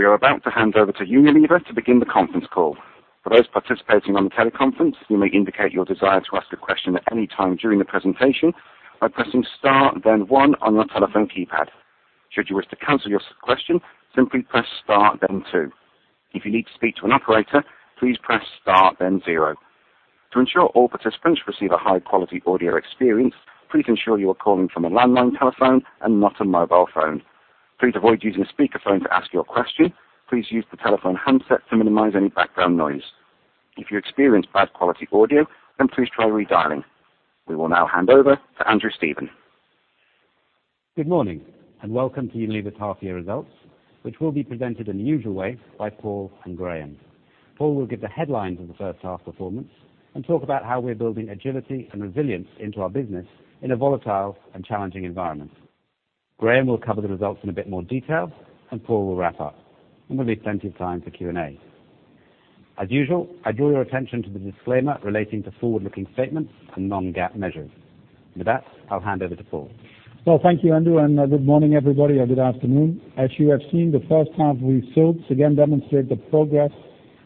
We are about to hand over to Unilever to begin the conference call. For those participating on the teleconference, you may indicate your desire to ask a question at any time during the presentation by pressing star then one on your telephone keypad. Should you wish to cancel your question, simply press star then two. If you need to speak to an operator, please press star then zero. To ensure all participants receive a high quality audio experience, please ensure you are calling from a landline telephone and not a mobile phone. Please avoid using speakerphone to ask your question, please use the telephone handset to minimize any background noise. If you experience bad quality audio, then please try redialing. We will now hand over to Andrew Stephen. Good morning. Welcome to Unilever's half year results, which will be presented in the usual way by Paul and Graeme. Paul will give the headlines of the first half performance and talk about how we're building agility and resilience into our business in a volatile and challenging environment. Graeme will cover the results in a bit more detail, and Paul will wrap up, and there'll be plenty of time for Q&A. As usual, I draw your attention to the disclaimer relating to forward-looking statements and non-GAAP measures. With that, I'll hand over to Paul. Well, thank you, Andrew, and good morning, everybody, or good afternoon. As you have seen, the first half results again demonstrate the progress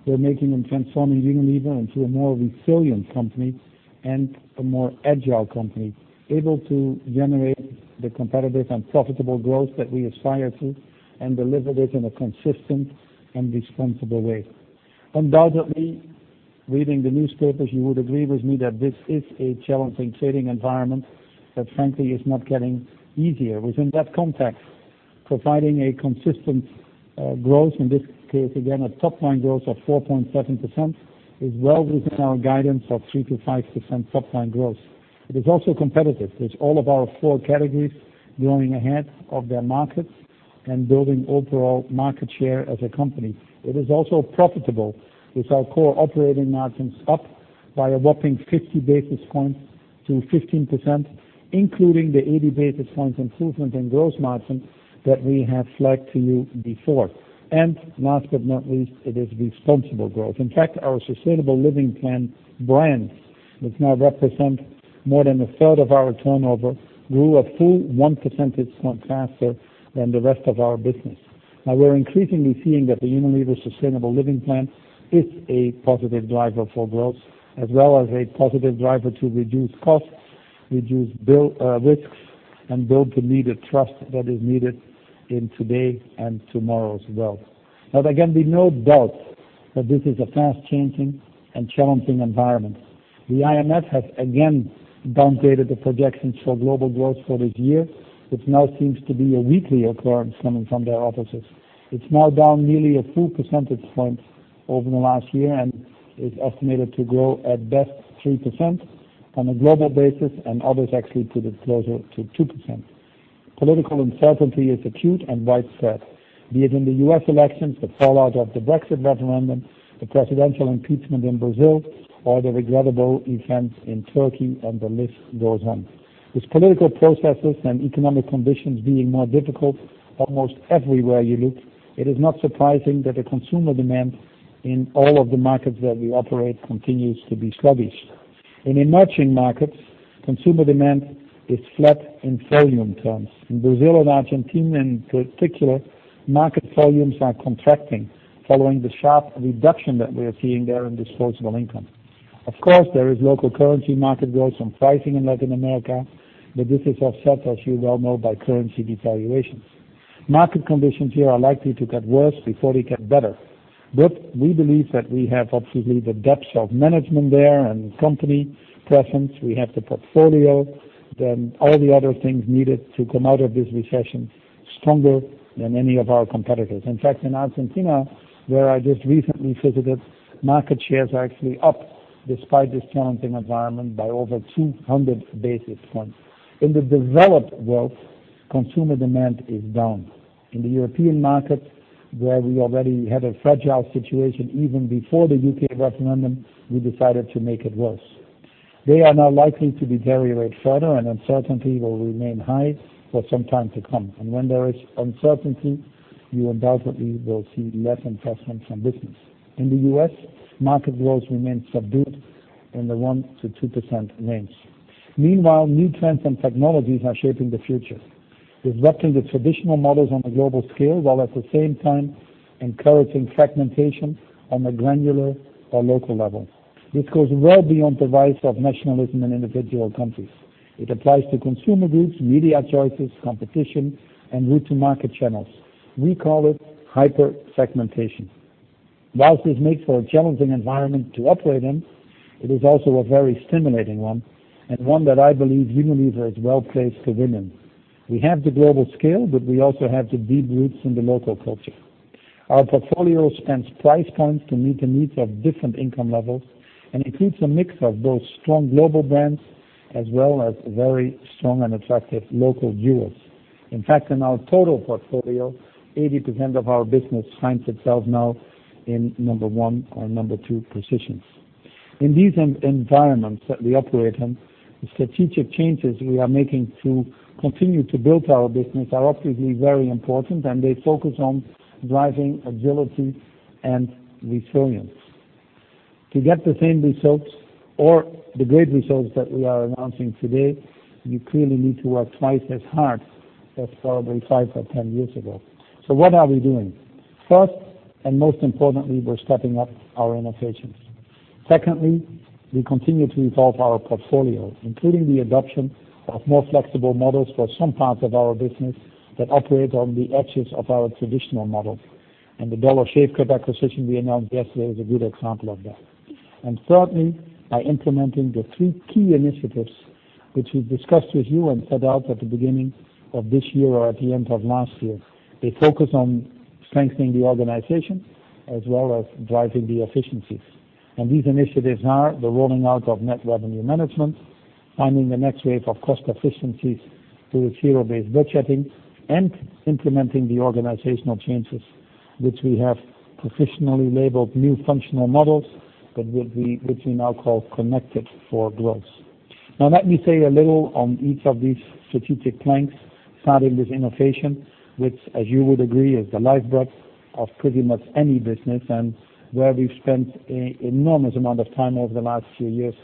we're making in transforming Unilever into a more resilient company and a more agile company, able to generate the competitive and profitable growth that we aspire to and deliver this in a consistent and responsible way. Undoubtedly, reading the newspapers, you would agree with me that this is a challenging trading environment that frankly is not getting easier. Within that context, providing a consistent growth, in this case, again, a top line growth of 4.7% is well within our guidance of 3%-5% top line growth. It is also competitive with all of our four categories growing ahead of their markets and building overall market share as a company. It is also profitable with our core operating margins up by a whopping 50 basis points to 15%, including the 80 basis points improvement in gross margin that we have flagged to you before. Last but not least, it is responsible growth. In fact, our Sustainable Living Plan brands, which now represent more than a third of our turnover, grew a full one percentage point faster than the rest of our business. We're increasingly seeing that the Unilever Sustainable Living Plan is a positive driver for growth as well as a positive driver to reduce costs, reduce risks, and build the needed trust that is needed in today and tomorrow as well. There can be no doubt that this is a fast-changing and challenging environment. The IMF has again down dated the projections for global growth for this year, which now seems to be a weekly occurrence coming from their offices. It's now down nearly a full percentage point over the last year and is estimated to grow at best 3% on a global basis, and others actually put it closer to 2%. Political uncertainty is acute and widespread, be it in the U.S. elections, the fallout of the Brexit referendum, the presidential impeachment in Brazil, or the regrettable events in Turkey. The list goes on. With political processes and economic conditions being more difficult almost everywhere you look, it is not surprising that consumer demand in all of the markets that we operate continues to be sluggish. In emerging markets, consumer demand is flat in volume terms. In Brazil and Argentina in particular, market volumes are contracting following the sharp reduction that we are seeing there in disposable income. Of course, there is local currency market growth from pricing in Latin America, but this is offset, as you well know, by currency devaluations. Market conditions here are likely to get worse before they get better. We believe that we have obviously the depth of management there and company presence, we have the portfolio, then all the other things needed to come out of this recession stronger than any of our competitors. In fact, in Argentina, where I just recently visited, market shares are actually up despite this challenging environment by over 200 basis points. In the developed world, consumer demand is down. In the European market, where we already had a fragile situation even before the U.K. referendum, we decided to make it worse. They are now likely to deteriorate further, and uncertainty will remain high for some time to come. When there is uncertainty, you undoubtedly will see less investment from business. In the U.S., market growth remains subdued in the 1%-2% range. Meanwhile, new trends and technologies are shaping the future, disrupting the traditional models on a global scale, while at the same time encouraging fragmentation on a granular or local level. This goes well beyond the rise of nationalism in individual countries. It applies to consumer groups, media choices, competition, and route to market channels. We call it hyper-segmentation. Whilst this makes for a challenging environment to operate in, it is also a very stimulating one and one that I believe Unilever is well-placed to win in. We have the global scale, but we also have the deep roots in the local culture. Our portfolio spans price points to meet the needs of different income levels and includes a mix of both strong global brands as well as very strong and attractive local jewels. In fact, in our total portfolio, 80% of our business finds itself now in number 1 or number 2 positions. In these environments that we operate in, the strategic changes we are making to continue to build our business are obviously very important, and they focus on driving agility and resilience. To get the same results or the great results that we are announcing today, you clearly need to work twice as hard as probably five or 10 years ago. What are we doing? First, and most importantly, we're stepping up our innovations. Secondly, we continue to evolve our portfolio, including the adoption of more flexible models for some parts of our business that operate on the edges of our traditional model, and the Dollar Shave Club acquisition we announced yesterday is a good example of that. Thirdly, by implementing the three key initiatives which we've discussed with you and set out at the beginning of this year or at the end of last year. They focus on strengthening the organization as well as driving the efficiencies. These initiatives are the rolling out of Net Revenue Management, finding the next wave of cost efficiencies through a Zero-Based Budgeting, and implementing the organizational changes, which we have proficiently labeled new functional models, which we now call Connected for Growth. Let me say a little on each of these strategic planks, starting with innovation, which, as you would agree, is the lifeblood of pretty much any business and where we've spent an enormous amount of time over the last few years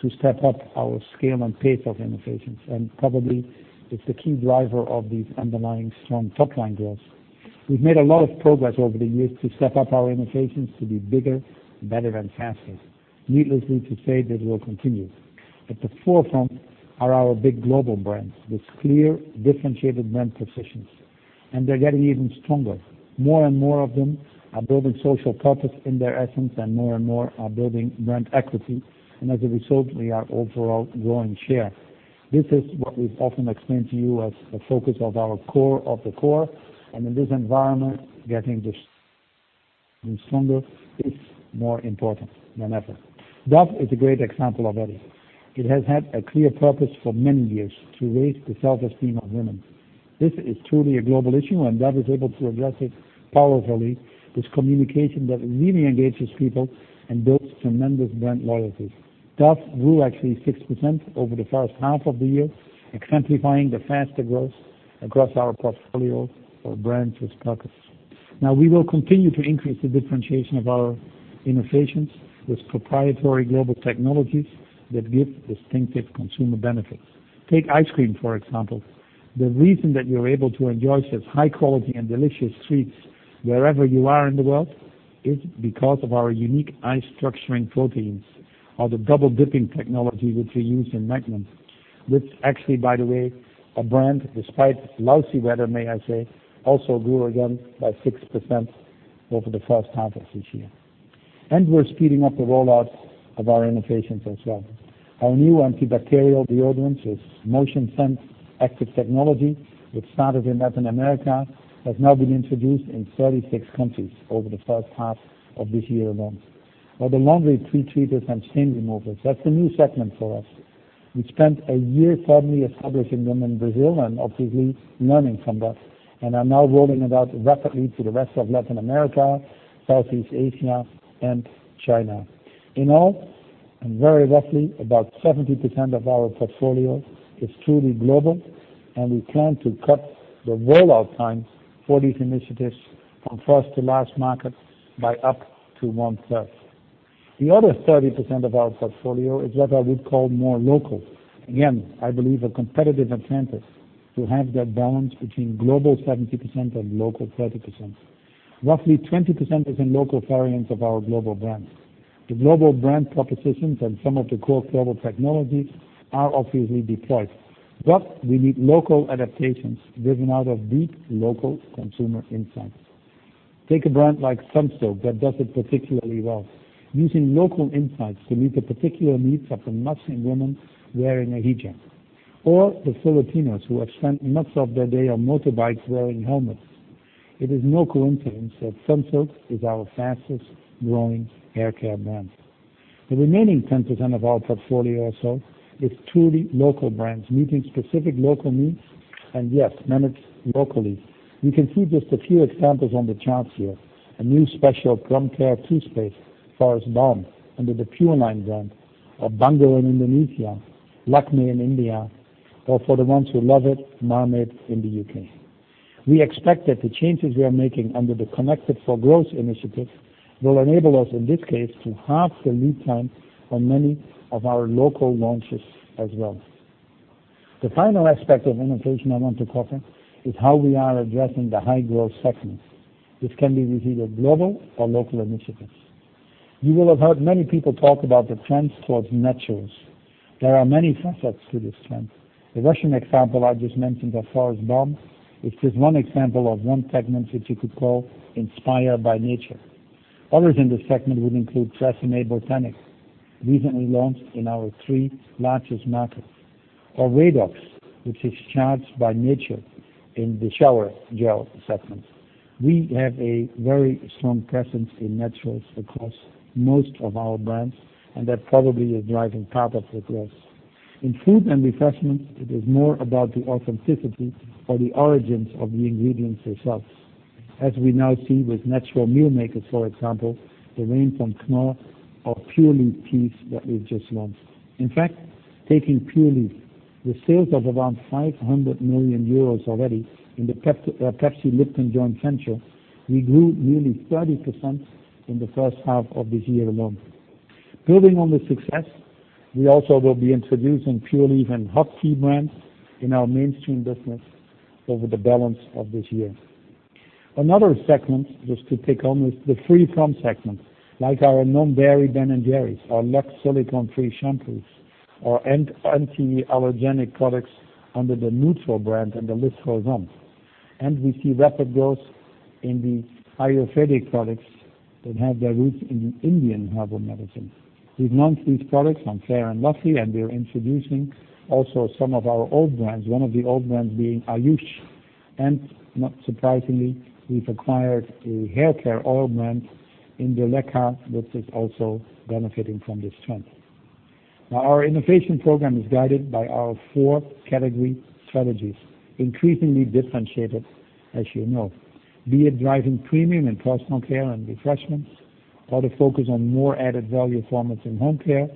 to step up our scale and pace of innovations. Probably it's the key driver of these underlying strong top-line growth. We've made a lot of progress over the years to step up our innovations to be bigger, better, and faster. Needless to say, this will continue. At the forefront are our big global brands with clear, differentiated brand propositions, and they're getting even stronger. More and more of them are building social purpose in their essence, and more and more are building brand equity. As a result, we are overall growing share. This is what we've often explained to you as the focus of our core of the core, and in this environment, getting this even stronger is more important than ever. Dove is a great example of this. It has had a clear purpose for many years: to raise the self-esteem of women. This is truly a global issue, and Dove is able to address it powerfully with communication that really engages people and builds tremendous brand loyalty. Dove grew actually 6% over the first half of the year, exemplifying the faster growth across our portfolio of brands with purpose. We will continue to increase the differentiation of our innovations with proprietary global technologies that give distinctive consumer benefits. Take ice cream, for example. The reason that you're able to enjoy such high quality and delicious treats wherever you are in the world is because of our unique ice structuring proteins or the double-dipping technology which we use in Magnum, which actually, by the way, a brand despite lousy weather, may I say, also grew again by 6% over the first half of this year. We're speeding up the rollout of our innovations as well. Our new antibacterial deodorants with MotionSense active technology, which started in Latin America, has now been introduced in 36 countries over the first half of this year alone. The laundry pre-treaters and stain removers, that's a new segment for us. We spent a year thoroughly establishing them in Brazil and obviously learning from that, and are now rolling it out rapidly to the rest of Latin America, Southeast Asia, and China. In all, and very roughly, about 70% of our portfolio is truly global, and we plan to cut the rollout times for these initiatives from first to last market by up to one third. The other 30% of our portfolio is what I would call more local. I believe a competitive advantage to have that balance between global 70% and local 30%. Roughly 20% is in local variants of our global brands. The global brand propositions and some of the core global technologies are obviously deployed, we need local adaptations driven out of deep local consumer insights. Take a brand like Sunsilk that does it particularly well, using local insights to meet the particular needs of the Muslim women wearing a hijab, or the Filipinos who have spent much of their day on motorbikes wearing helmets. It is no coincidence that Sunsilk is our fastest growing hair care brand. The remaining 10% of our portfolio or so is truly local brands meeting specific local needs, yes, managed locally. You can see just a few examples on the charts here. A new special gum care toothpaste, Forest Balm, under the Pure Line brand, Bango in Indonesia, Lakmé in India, for the ones who love it, Marmite in the U.K. We expect that the changes we are making under the Connected for Growth initiative will enable us, in this case, to halve the lead time on many of our local launches as well. The final aspect of innovation I want to cover is how we are addressing the high-growth segments, which can be with either global or local initiatives. You will have heard many people talk about the trends towards naturals. There are many facets to this trend. The Russian example I just mentioned of Forest Balm is just one example of one segment which you could call inspired by nature. Others in this segment would include TRESemmé Botanique, recently launched in our three largest markets, Radox, which is charged by nature in the shower gel segment. We have a very strong presence in naturals across most of our brands, that probably is driving part of the growth. In food and refreshment, it is more about the authenticity or the origins of the ingredients themselves, as we now see with Natural Meal Makers, for example, the range from Knorr Pure Leaf teas that we've just launched. In fact, taking Pure Leaf, with sales of around 500 million euros already in the Pepsi Lipton joint venture, we grew nearly 30% in the first half of this year alone. Building on this success, we also will be introducing Pure Leaf and Hot Tea brands in our mainstream business over the balance of this year. Another segment, just to tick on, is the free-from segment, like our non-dairy Ben & Jerry's, our Lux Silicone-Free shampoos, our anti-allergenic products under the Neutral brand and. [inaudible] We see rapid growth in the Ayurvedic products that have their roots in Indian herbal medicine. We've launched these products on Fair & Lovely, we're introducing also some of our old brands, one of the old brands being Ayush. Not surprisingly, we've acquired a haircare oil brand Indulekha, which is also benefiting from this trend. Our innovation program is guided by our four category strategies, increasingly differentiated as you know. Be it driving premium in personal care and refreshments, or the focus on more added value formats in home care,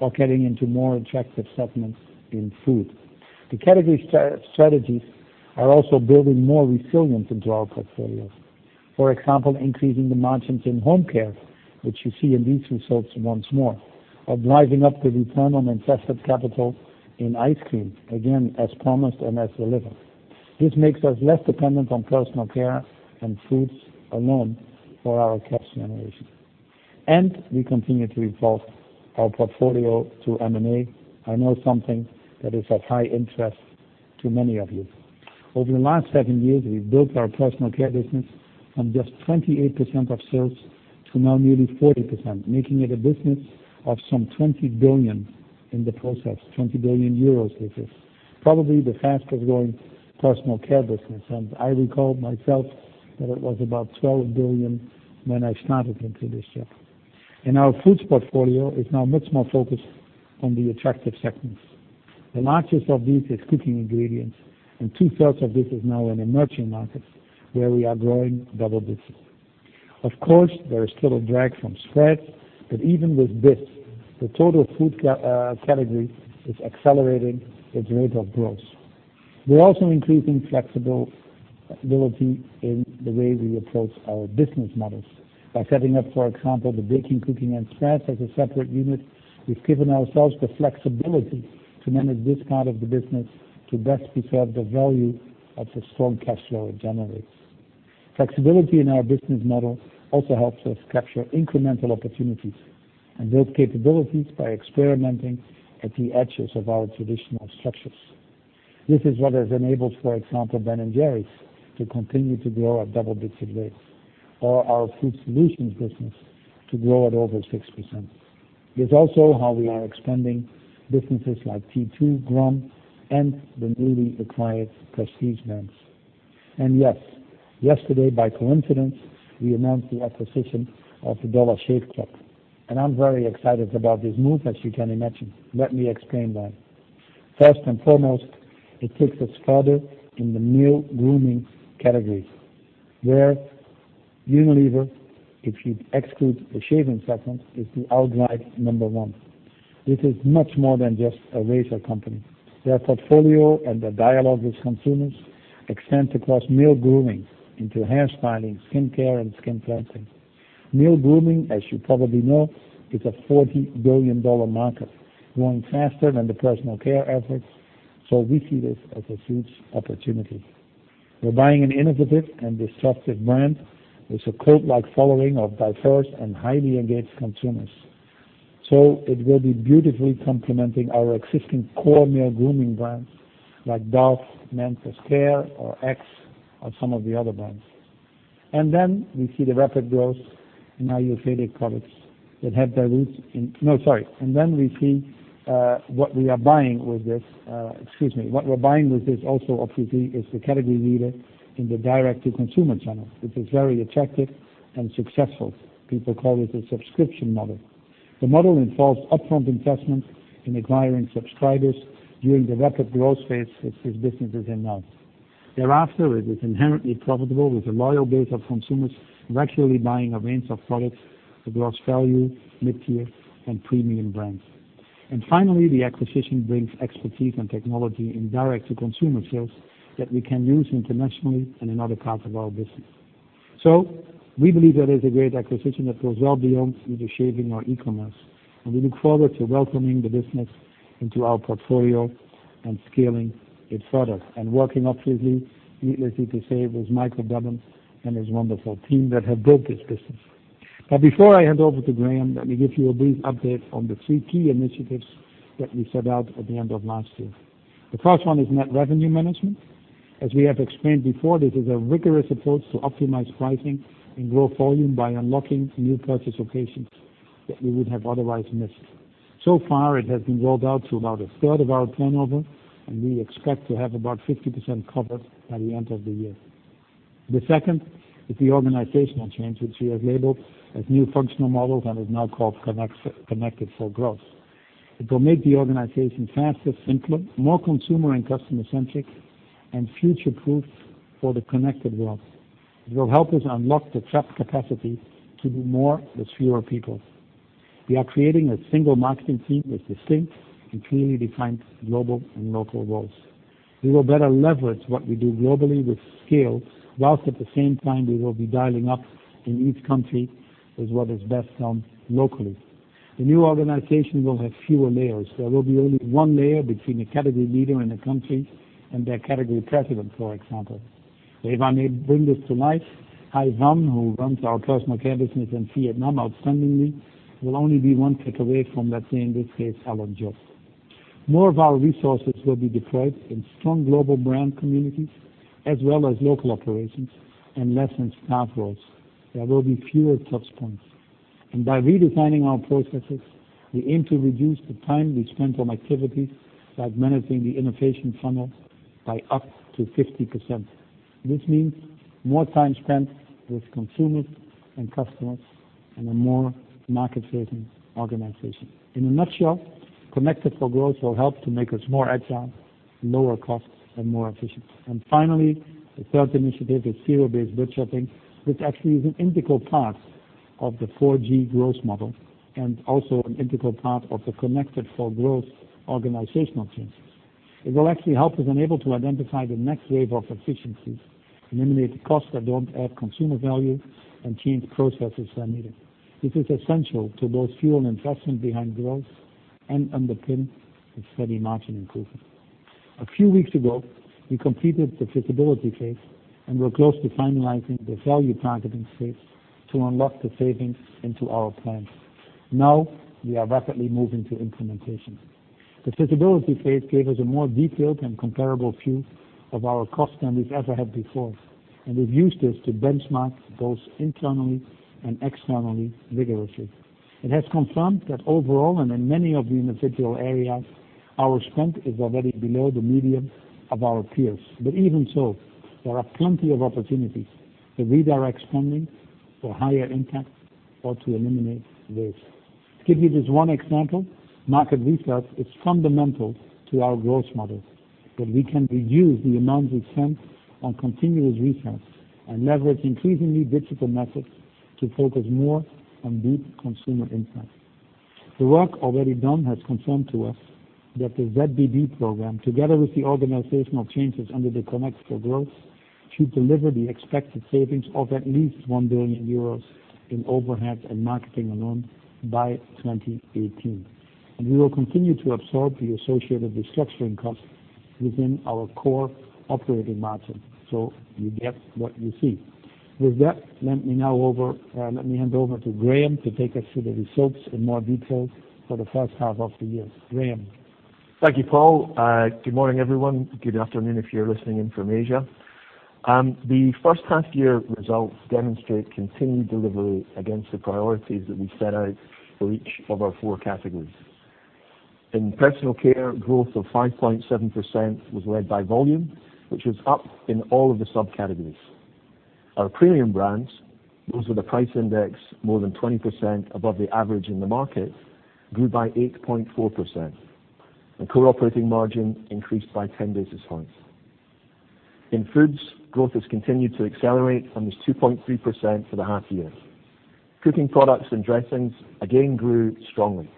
or getting into more attractive segments in food. The category strategies are also building more resilience into our portfolios. For example, increasing the margins in home care, which you see in these results once more. Or driving up the return on invested capital in ice cream, again, as promised and as delivered. This makes us less dependent on personal care and foods alone for our cash generation. We continue to evolve our portfolio through M&A. I know something that is of high interest to many of you. Over the last seven years, we've built our personal care business from just 28% of sales to now nearly 40%, making it a business of some 20 billion in the process. Probably the fastest growing personal care business. I recall myself that it was about 12 billion when I started into this job. Our foods portfolio is now much more focused on the attractive segments. The largest of these is cooking ingredients, two-thirds of this is now in emerging markets where we are growing double digits. Of course, there is still a drag from spreads, but even with this, the total food category is accelerating its rate of growth. We're also increasing flexibility in the way we approach our business models by setting up, for example, the baking, cooking, and spreads as a separate unit. We've given ourselves the flexibility to manage this part of the business to best preserve the value of the strong cash flow it generates. Flexibility in our business model also helps us capture incremental opportunities and build capabilities by experimenting at the edges of our traditional structures. This is what has enabled, for example, Ben & Jerry's to continue to grow at double-digit rates or our Unilever Food Solutions business to grow at over 6%. It's also how we are expanding businesses like T2, Grom, and the newly acquired Prestige brands. Yesterday by coincidence, we announced the acquisition of the Dollar Shave Club. I'm very excited about this move, as you can imagine. Let me explain why. First and foremost, it takes us further in the male grooming category, where Unilever, if you exclude the shaving segment, is the outright number one. This is much more than just a razor company. Their portfolio and their dialogue with consumers extend across male grooming into hair styling, skincare, and skin cleansing. Male grooming, as you probably know, is a EUR 40 billion market growing faster than the personal care efforts. We see this as a huge opportunity. We're buying an innovative and disruptive brand with a cult-like following of diverse and highly engaged consumers. It will be beautifully complementing our existing core male grooming brands, like Dove Men+Care or Axe or some of the other brands. We see the rapid growth in Ayurvedic products that have their roots in-- No, sorry. What we're buying with this also obviously is the category leader in the direct-to-consumer channel, which is very attractive and successful. People call it the subscription model. The model involves upfront investment in acquiring subscribers during the rapid growth phase as this business is in now. Thereafter, it is inherently profitable with a loyal base of consumers regularly buying a range of products across value, mid-tier, and premium brands. Finally, the acquisition brings expertise and technology in direct-to-consumer sales that we can use internationally and in other parts of our business. We believe that is a great acquisition that goes well beyond either shaving or e-commerce, and we look forward to welcoming the business into our portfolio and scaling it further and working obviously, needless to say, with Michael Dubin and his wonderful team that have built this business. Now before I hand over to Graeme, let me give you a brief update on the three key initiatives that we set out at the end of last year. The first one is Net Revenue Management. As we have explained before, this is a rigorous approach to optimize pricing and grow volume by unlocking new purchase occasions that we would have otherwise missed. So far, it has been rolled out to about a third of our turnover, and we expect to have about 50% covered by the end of the year. The second is the organizational change, which we have labeled as new functional models and is now called Connected for Growth. It will make the organization faster, simpler, more consumer and customer centric, and future-proof for the connected world. It will help us unlock the trapped capacity to do more with fewer people. We are creating a single marketing team with distinct and clearly defined global and local roles. We will better leverage what we do globally with scale, whilst at the same time we will be dialing up in each country with what is best done locally. The new organization will have fewer layers. There will be only one layer between a category leader in a country and their category president, for example. If I may bring this to life, Hai Van, who runs our personal care business in Vietnam outstandingly, will only be one click away from let's say, in this case, Alan Jope. More of our resources will be deployed in strong global brand communities as well as local operations and less in staff roles. There will be fewer touchpoints. And by redesigning our processes, we aim to reduce the time we spend on activities like managing the innovation funnel by up to 50%. This means more time spent with consumers and customers and a more market-facing organization. In a nutshell, Connected for Growth will help to make us more agile, lower costs, and more efficient. And finally, the third initiative is Zero-Based Budgeting, which actually is an integral part of the 4G Growth Model and also an integral part of the Connected for Growth organizational changes. It will actually help us enable to identify the next wave of efficiencies, eliminate the costs that don't add consumer value, and change processes where needed. This is essential to both fuel investment behind growth and underpin the steady margin improvement. A few weeks ago, we completed the feasibility phase and we're close to finalizing the value targeting phase to unlock the savings into our plans. Now we are rapidly moving to implementation. The feasibility phase gave us a more detailed and comparable view of our costs than we've ever had before, and we've used this to benchmark both internally and externally vigorously. It has confirmed that overall, and in many of the individual areas, our spend is already below the median of our peers. But even so, there are plenty of opportunities to redirect spending for higher impact or to eliminate waste. To give you just one example, market research is fundamental to our growth models, but we can reduce the amount we spend on continuous research and leverage increasingly digital methods to focus more on deep consumer insights. The work already done has confirmed to us that the ZBB program, together with the organizational changes under the Connected for Growth, should deliver the expected savings of at least 1 billion euros in overheads and marketing alone by 2018. We will continue to absorb the associated restructuring costs within our core operating margin, so you get what you see. With that, let me hand over to Graeme to take us through the results in more detail for the first half of the year. Graeme? Thank you, Paul. Good morning, everyone. Good afternoon if you're listening in from Asia. The first half year results demonstrate continued delivery against the priorities that we set out for each of our four categories. In personal care, growth of 5.7% was led by volume, which was up in all of the subcategories. Our premium brands, those with a price index more than 20% above the average in the market, grew by 8.4%, and core operating margin increased by 10 basis points. In foods, growth has continued to accelerate and was 2.3% for the half year. Cooking products and dressings again grew strongly.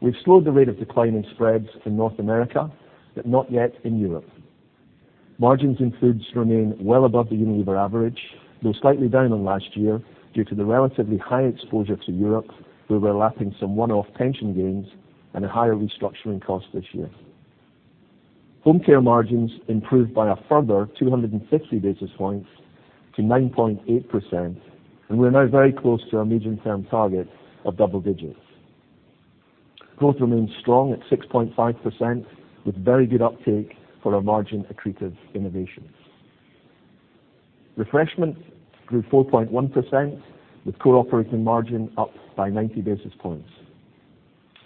We've slowed the rate of decline in spreads in North America, but not yet in Europe. Margins in foods remain well above the Unilever average, though slightly down on last year due to the relatively high exposure to Europe, where we're lapping some one-off pension gains and a higher restructuring cost this year. Home care margins improved by a further 250 basis points to 9.8%, and we are now very close to our medium-term target of double digits. Growth remains strong at 6.5%, with very good uptake for our margin-accretive innovations. Refreshment grew 4.1%, with core operating margin up by 90 basis points.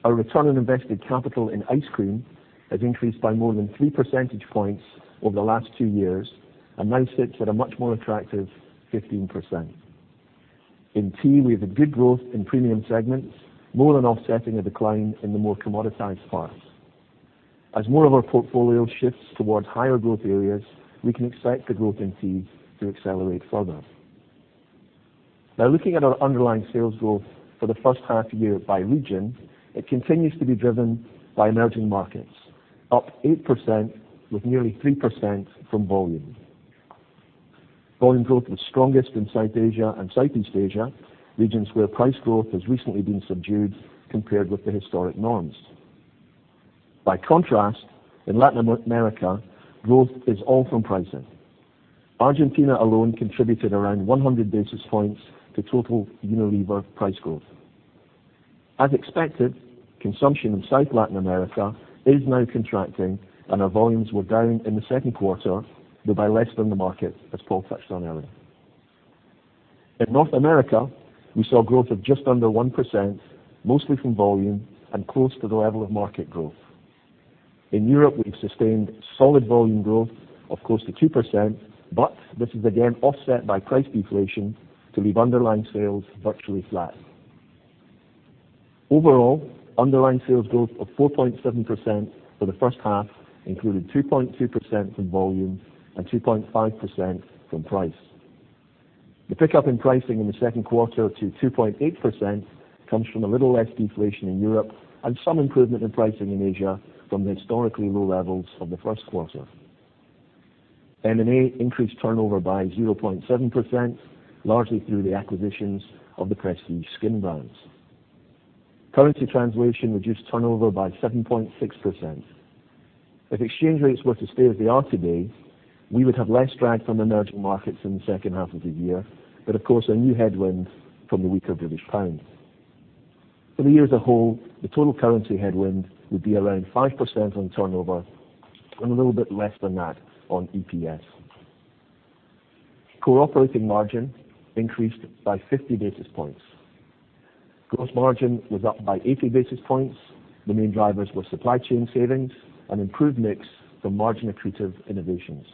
Our return on invested capital in ice cream has increased by more than three percentage points over the last two years and now sits at a much more attractive 15%. In tea, we have a good growth in premium segments, more than offsetting a decline in the more commoditized parts. As more of our portfolio shifts towards higher growth areas, we can expect the growth in tea to accelerate further. Now, looking at our Underlying Sales Growth for the first half year by region, it continues to be driven by emerging markets, up 8% with nearly 3% from volume. Volume growth was strongest in South Asia and Southeast Asia, regions where price growth has recently been subdued compared with the historic norms. By contrast, in Latin America, growth is all from pricing. Argentina alone contributed around 100 basis points to total Unilever price growth. As expected, consumption in South Latin America is now contracting, and our volumes were down in the second quarter, though by less than the market, as Paul touched on earlier. In North America, we saw growth of just under 1%, mostly from volume and close to the level of market growth. In Europe, we've sustained solid volume growth of close to 2%. This is again offset by price deflation to leave underlying sales virtually flat. Overall, underlying sales growth of 4.7% for the first half included 2.2% from volume and 2.5% from price. The pickup in pricing in the second quarter to 2.8% comes from a little less deflation in Europe and some improvement in pricing in Asia from the historically low levels of the first quarter. M&A increased turnover by 0.7%, largely through the acquisitions of the Prestige skin brands. Currency translation reduced turnover by 7.6%. If exchange rates were to stay as they are today, we would have less drag from emerging markets in the second half of the year. Of course, a new headwind from the weaker British pound. For the year as a whole, the total currency headwind would be around 5% on turnover and a little bit less than that on EPS. Core operating margin increased by 50 basis points. Gross margin was up by 80 basis points. The main drivers were supply chain savings and improved mix from margin-accretive innovations.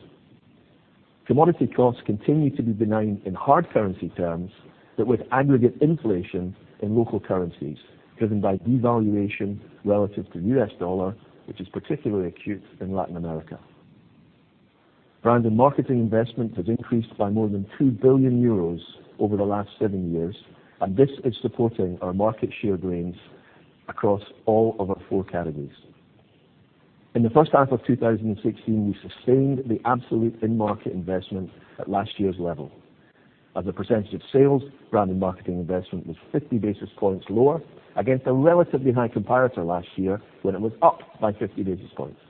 Commodity costs continue to be benign in hard currency terms. With aggregate inflation in local currencies driven by devaluation relative to the U.S. dollar, which is particularly acute in Latin America. Brand and marketing investment has increased by more than €2 billion over the last seven years. This is supporting our market share gains across all of our four categories. In the first half of 2016, we sustained the absolute in-market investment at last year's level. As a percentage of sales, brand and marketing investment was 50 basis points lower against a relatively high comparator last year when it was up by 50 basis points.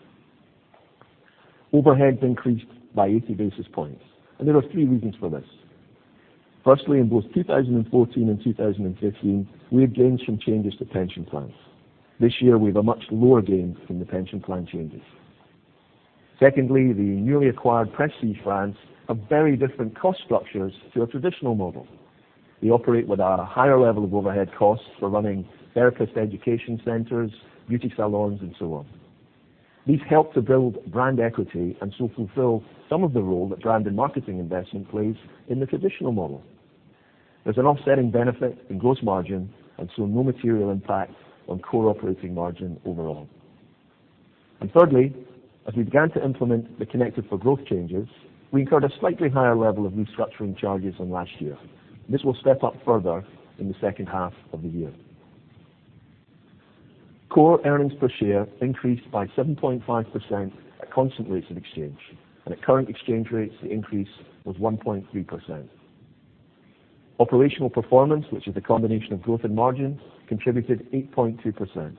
Overheads increased by 80 basis points. There are three reasons for this. Firstly, in both 2014 and 2015, we had gains from changes to pension plans. This year, we have a much lower gain from the pension plan changes. Secondly, the newly acquired Prestige brands have very different cost structures to a traditional model. They operate with a higher level of overhead costs for running therapist education centers, beauty salons, and so on. These help to build brand equity and so fulfill some of the role that brand and marketing investment plays in the traditional model. There's an offsetting benefit in gross margin and so no material impact on core operating margin overall. Thirdly, as we began to implement the Connected for Growth changes, we incurred a slightly higher level of restructuring charges than last year. This will step up further in the second half of the year. Core earnings per share increased by 7.5% at constant rates of exchange. At current exchange rates, the increase was 1.3%. Operational performance, which is the combination of growth and margins, contributed 8.2%.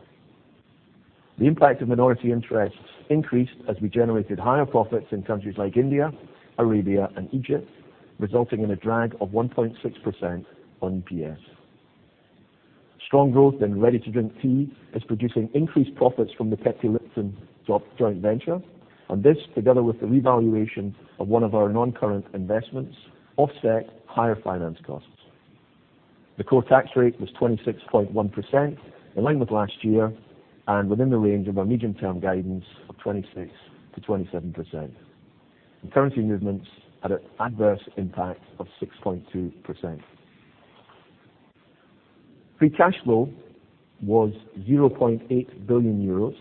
The impact of minority interests increased as we generated higher profits in countries like India, Arabia, and Egypt, resulting in a drag of 1.6% on EPS. Strong growth in ready-to-drink tea is producing increased profits from the Pepsi Lipton joint venture. This, together with the revaluation of one of our non-current investments, offset higher finance costs. The core tax rate was 26.1%, in line with last year. Within the range of our medium-term guidance of 26%-27%. Currency movements had an adverse impact of 6.2%. Free cash flow was 0.8 billion euros,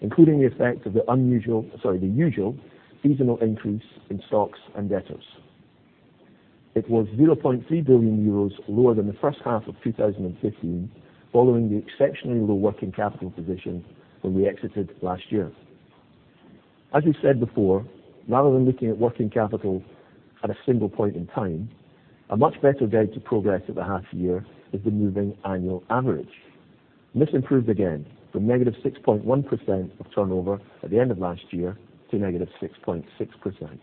including the effect of the usual seasonal increase in stocks and debtors. It was 0.3 billion euros lower than the first half of 2015, following the exceptionally low working capital position when we exited last year. As we said before, rather than looking at working capital at a single point in time, a much better gauge of progress at the half year is the moving annual average, and this improved again from -6.1% of turnover at the end of last year to -6.6%.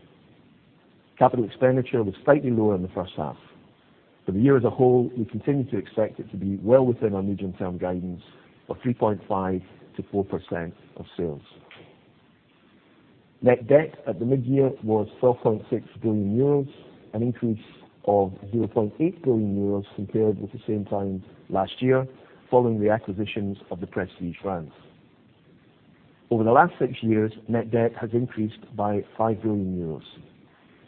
Capital expenditure was slightly lower in the first half. For the year as a whole, we continue to expect it to be well within our medium-term guidance of 3.5%-4% of sales. Net debt at the mid-year was 4.6 billion euros, an increase of 0.8 billion euros compared with the same time last year following the acquisitions of the Prestige brands. Over the last six years, net debt has increased by 5 billion euros.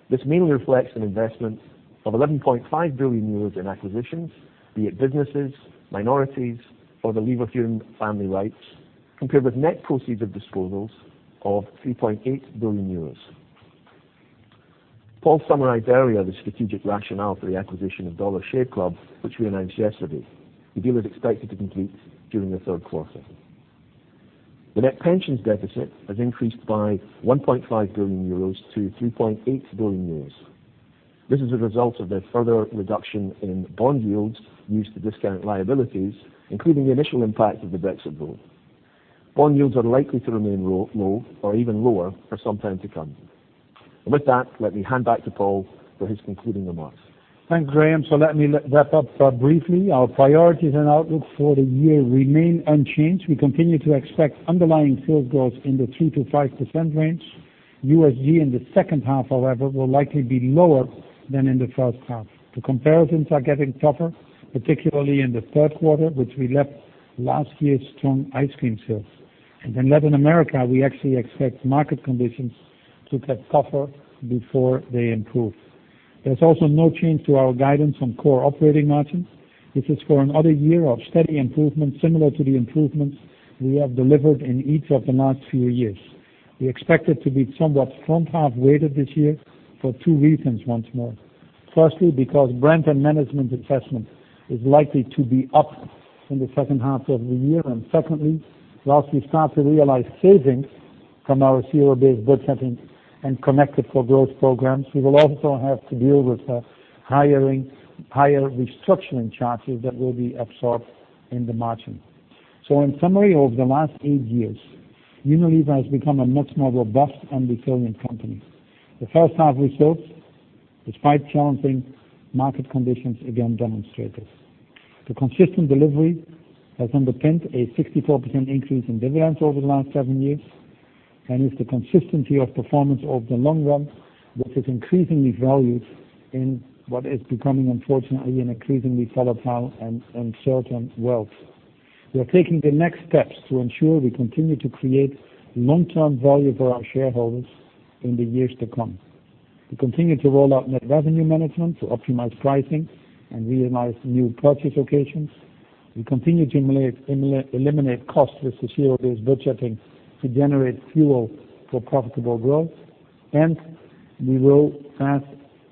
This mainly reflects an investment of 11.5 billion euros in acquisitions, be it businesses, minorities, or the Leverhulme family rights, compared with net proceeds of disposals of 3.8 billion euros. Paul summarized earlier the strategic rationale for the acquisition of Dollar Shave Club, which we announced yesterday. The deal is expected to complete during the third quarter. The net pensions deficit has increased by 1.5 billion euros to 3.8 billion euros. This is a result of a further reduction in bond yields used to discount liabilities, including the initial impact of the Brexit vote. Bond yields are likely to remain low or even lower for some time to come. With that, let me hand back to Paul for his concluding remarks. Thanks, Graeme. Let me wrap up briefly. Our priorities and outlook for the year remain unchanged. We continue to expect Underlying Sales Growth in the 3%-5% range. USG in the second half, however, will likely be lower than in the first half. The comparisons are getting tougher, particularly in the third quarter, which we left last year's strong ice cream sales. In Latin America, we actually expect market conditions to get tougher before they improve. There's also no change to our guidance on core operating margins, which is for another year of steady improvement similar to the improvements we have delivered in each of the last few years. We expect it to be somewhat front-half weighted this year for two reasons once more. Firstly, because brand and management investment is likely to be up in the second half of the year. Secondly, whilst we start to realize savings from our Zero-Based Budgeting and Connected for Growth programs, we will also have to deal with higher restructuring charges that will be absorbed in the margin. In summary, over the last eight years, Unilever has become a much more robust and resilient company. The first half results, despite challenging market conditions, again demonstrate this. The consistent delivery has underpinned a 64% increase in dividends over the last seven years, and it's the consistency of performance over the long run that is increasingly valued in what is becoming, unfortunately, an increasingly volatile and uncertain world. We are taking the next steps to ensure we continue to create long-term value for our shareholders in the years to come. We continue to roll out Net Revenue Management to optimize pricing and realize new purchase occasions. We continue to eliminate costs with the Zero-Based Budgeting to generate fuel for profitable growth. We will act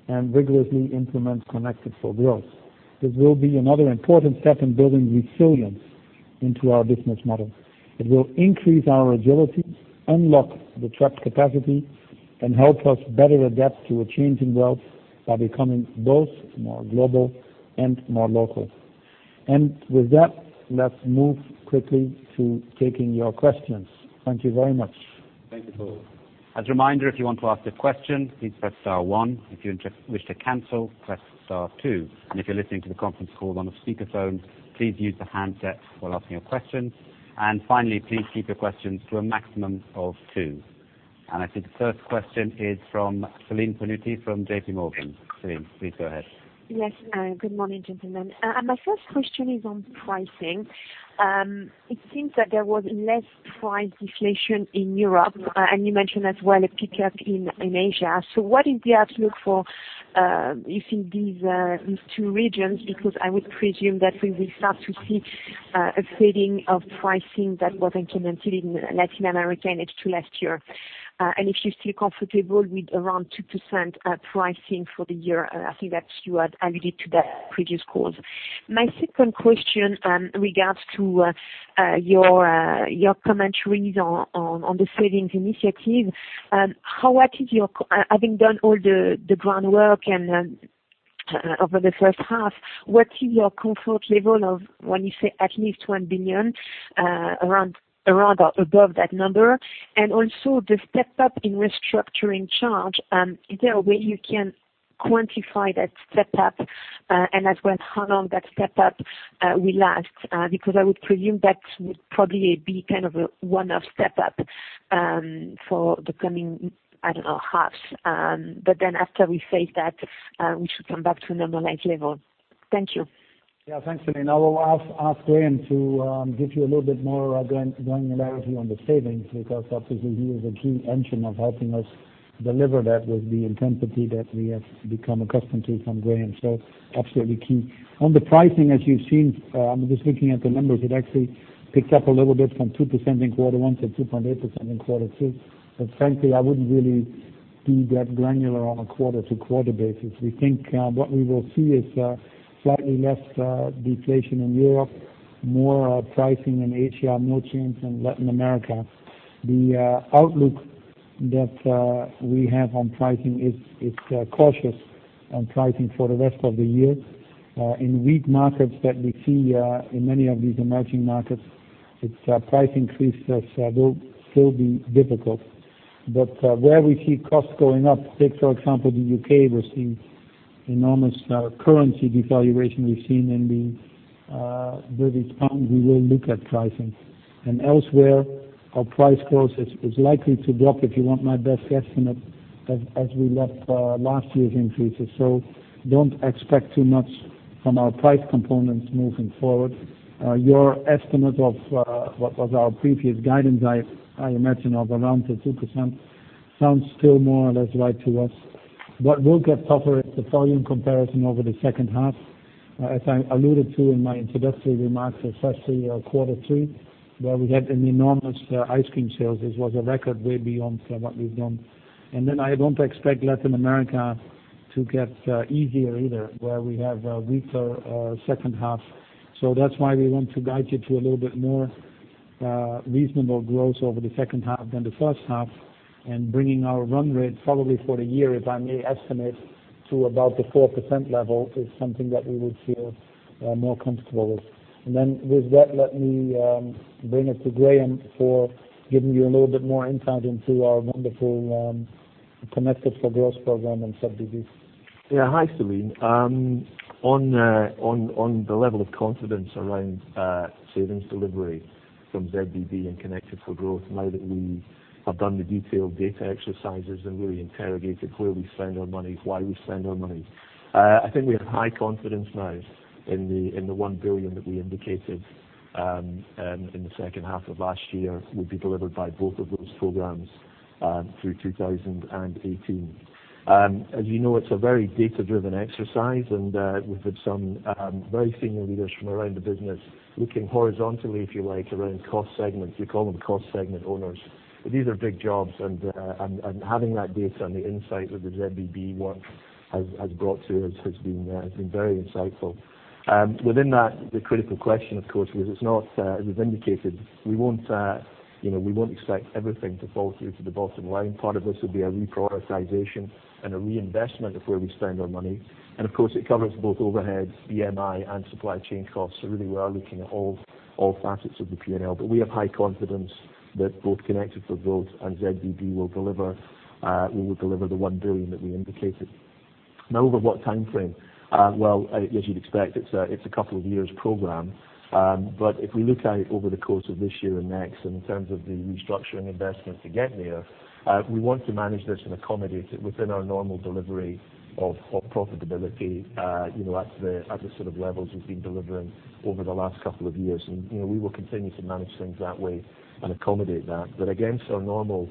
and vigorously implement Connected for Growth. This will be another important step in building resilience into our business model. It will increase our agility, unlock the trapped capacity, and help us better adapt to a changing world by becoming both more global and more local. With that, let's move quickly to taking your questions. Thank you very much. Thank you, Paul. As a reminder, if you want to ask a question, please press star one. If you wish to cancel, press star two. If you're listening to the conference call on a speakerphone, please use the handset while asking your question. Finally, please keep your questions to a maximum of two. I see the first question is from Celine Pannuti from J.P. Morgan. Celine, please go ahead. Yes. Good morning, gentlemen. My first question is on pricing. It seems that there was less price deflation in Europe, and you mentioned as well a pickup in Asia. What is the outlook for you see these two regions? I would presume that we will start to see a fading of pricing that was implemented in Latin America in H2 last year. If you're still comfortable with around 2% pricing for the year, I think that you had alluded to that previous calls. My second question regards to your commentaries on the savings initiative. Having done all the groundwork over the first half, what is your comfort level of when you say at least 1 billion, around or above that number? Also the step-up in restructuring charge, is there a way you can quantify that step-up and as well how long that step-up will last? I would presume that would probably be kind of a one-off step up for the coming half. After we save that, we should come back to a normalized level. Thank you. Thanks, Celine. I will ask Graeme to give you a little bit more granularity on the savings, because obviously he is a key engine of helping us deliver that with the intensity that we have become accustomed to from Graeme. Absolutely key. On the pricing, as you've seen, just looking at the numbers, it actually picked up a little bit from 2% in Q1 to 2.8% in Q2. Frankly, I wouldn't really be that granular on a quarter-to-quarter basis. We think what we will see is slightly less deflation in Europe, more pricing in Asia, no change in Latin America. The outlook that we have on pricing is cautious on pricing for the rest of the year. In weak markets that we see in many of these emerging markets, price increases will still be difficult. Where we see costs going up, take, for example, the U.K., we're seeing enormous currency devaluation we've seen in the British pound, we will look at pricing. Elsewhere, our price growth is likely to drop, if you want my best estimate, as we lap last year's increases. Don't expect too much from our price components moving forward. Your estimate of what was our previous guidance, I imagine of around the 2%, sounds still more or less right to us. What will get tougher is the volume comparison over the second half. As I alluded to in my introductory remarks, especially Q3, where we had an enormous ice cream sales. This was a record way beyond what we've done. I don't expect Latin America to get easier either, where we have a weaker second half. That's why we want to guide you to a little bit more reasonable growth over the second half than the first half, bringing our run rate probably for the year, if I may estimate, to about the 4% level is something that we would feel more comfortable with. With that, let me bring it to Graeme for giving you a little bit more insight into our wonderful Connected for Growth program and ZBB. Yeah. Hi, Celine. On the level of confidence around savings delivery from ZBB and Connected for Growth, now that we have done the detailed data exercises and really interrogated where we spend our money, why we spend our money, I think we have high confidence now in the 1 billion that we indicated in the second half of last year will be delivered by both of those programs through 2018. As you know, it's a very data-driven exercise, and we've had some very senior leaders from around the business looking horizontally, if you like, around cost segments. We call them cost segment owners. These are big jobs, and having that data and the insight that the ZBB work has brought to us has been very insightful. Within that, the critical question, of course, because as we've indicated, we won't expect everything to fall through to the bottom line. Part of this will be a reprioritization and a reinvestment of where we spend our money. Of course, it covers both overheads, BMI, and supply chain costs. Really, we are looking at all facets of the P&L. We have high confidence that both Connected 4 Growth and ZBB will deliver the 1 billion that we indicated. Over what timeframe? As you'd expect, it's a couple of years program. If we look at it over the course of this year and next, in terms of the restructuring investment to get there, we want to manage this and accommodate it within our normal delivery of profitability at the sort of levels we've been delivering over the last couple of years. We will continue to manage things that way and accommodate that. Our normal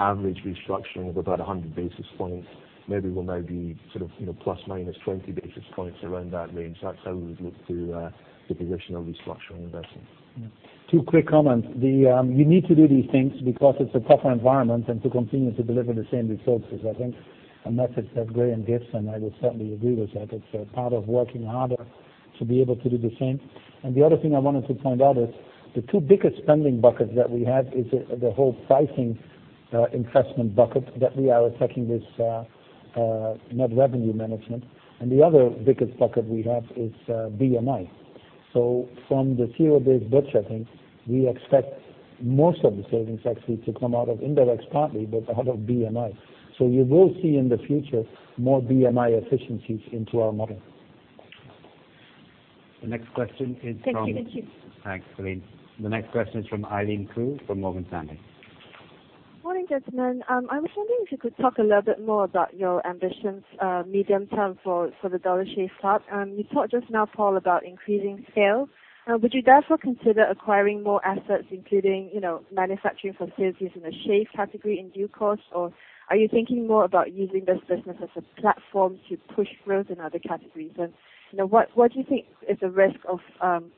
average restructuring of about 100 basis points maybe will now be ±20 basis points around that range. That's how we would look to the position of restructuring investment. Two quick comments. You need to do these things because it's a tougher environment and to continue to deliver the same results is, I think, a message that Graeme gives, and I would certainly agree with that. It's part of working harder to be able to do the same. The other thing I wanted to point out is the two biggest spending buckets that we have is the whole pricing investment bucket that we are attacking with Net Revenue Management. The other biggest bucket we have is BMI. From the Zero-Based Budgeting, we expect most of the savings actually to come out of indirect partly, but out of BMI. You will see in the future more BMI efficiencies into our model. The next question is from. Thank you. Thanks, Celine. The next question is from Eileen Ku from Morgan Stanley. Morning, gentlemen. I was wondering if you could talk a little bit more about your ambitions medium-term for the Dollar Shave Club. You talked just now, Paul, about increasing scale. Would you therefore consider acquiring more assets, including manufacturing facilities in the shave category in due course? Are you thinking more about using this business as a platform to push growth in other categories? What do you think is the risk of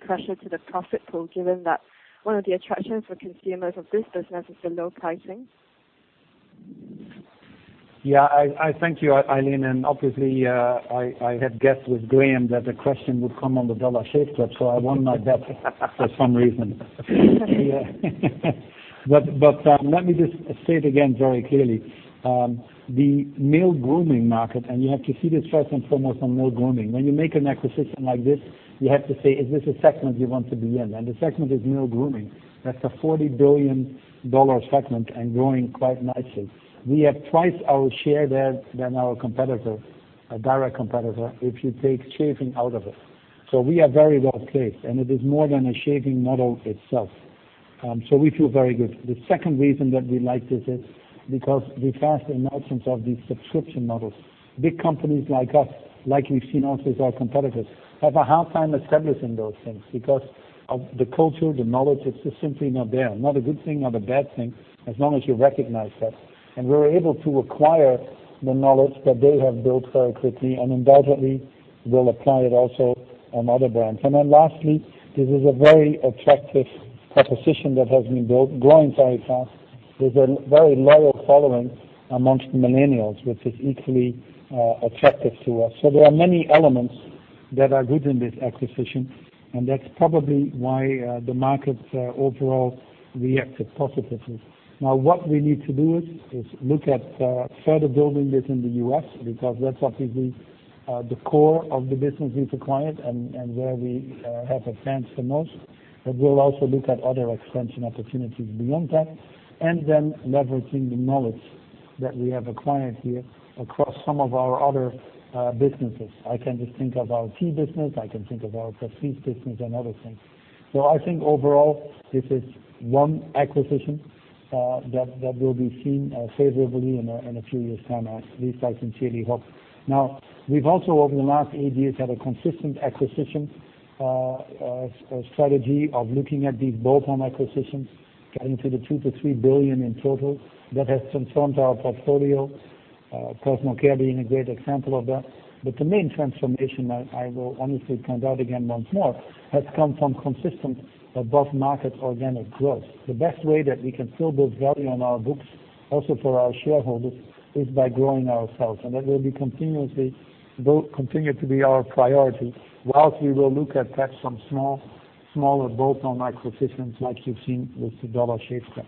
pressure to the profit pool, given that one of the attractions for consumers of this business is the low pricing? Yeah. Thank you, Eileen, and obviously, I had guessed with Graeme that the question would come on the Dollar Shave Club, I won my bet for some reason. Let me just say it again very clearly. The male grooming market, you have to see this first and foremost on male grooming. When you make an acquisition like this, you have to say, is this a segment you want to be in? The segment is male grooming. That's a $40 billion segment and growing quite nicely. We have twice our share there than our competitor, a direct competitor, if you take shaving out of it. We are very well placed, and it is more than a shaving model itself. We feel very good. The second reason that we like this is because the fast emergence of these subscription models, big companies like us, like we've seen also with our competitors, have a hard time establishing those things because of the culture, the knowledge, it's just simply not there. Not a good thing, not a bad thing, as long as you recognize that. We're able to acquire the knowledge that they have built very quickly, and undoubtedly, we'll apply it also on other brands. Lastly, this is a very attractive proposition that has been growing very fast, with a very loyal following amongst millennials, which is equally attractive to us. There are many elements that are good in this acquisition, and that's probably why the market overall reacted positively. Now, what we need to do is look at further building this in the U.S., because that's obviously the core of the business we've acquired and where we have a chance the most. We'll also look at other expansion opportunities beyond that, leveraging the knowledge that we have acquired here across some of our other businesses. I can just think of our tea business, I can think of our coffees business and other things. I think overall, this is one acquisition that will be seen favorably in a few years time, at least I sincerely hope. Now, we've also, over the last eight years, had a consistent acquisition strategy of looking at these bolt-on acquisitions, getting to the $2 billion-$3 billion in total. That has transformed our portfolio, Personal Care being a great example of that. The main transformation, I will honestly point out again once more, has come from consistent above-market organic growth. The best way that we can still build value on our books, also for our shareholders, is by growing ourselves. That will continue to be our priority, whilst we will look at perhaps some smaller bolt-on acquisitions like you've seen with the Dollar Shave Club.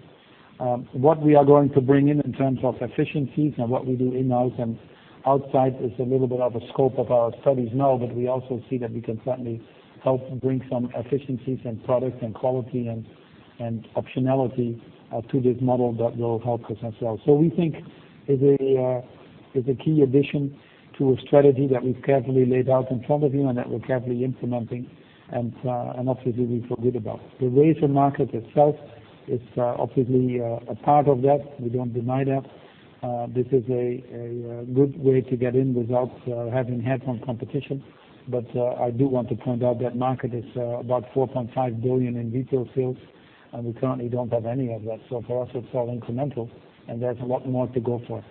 What we are going to bring in in terms of efficiencies and what we do in-house and outside is a little bit of a scope of our studies now, we also see that we can certainly help bring some efficiencies and product and quality and optionality to this model that will help us as well. We think it's a key addition to a strategy that we've carefully laid out in front of you and that we're carefully implementing, and obviously we feel good about. The razor market itself is obviously a part of that. We don't deny that. This is a good way to get in without having head-on competition. I do want to point out that market is about 4.5 billion in retail sales, we currently don't have any of that. For us, it's all incremental, and there's a lot more to go for.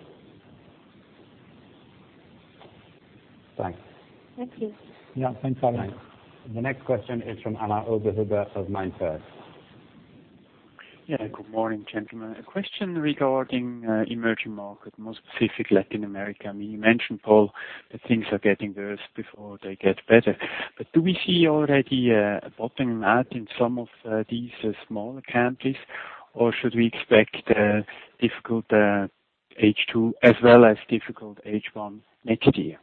Thanks. Thank you. Yeah, thanks, Polman. The next question is from Alain Oberhuber of MainFirst. Good morning, gentlemen. A question regarding emerging market, more specifically Latin America. You mentioned, Paul, that things are getting worse before they get better. Do we see already a bottom out in some of these smaller countries, or should we expect a difficult H2 as well as difficult H1 next year?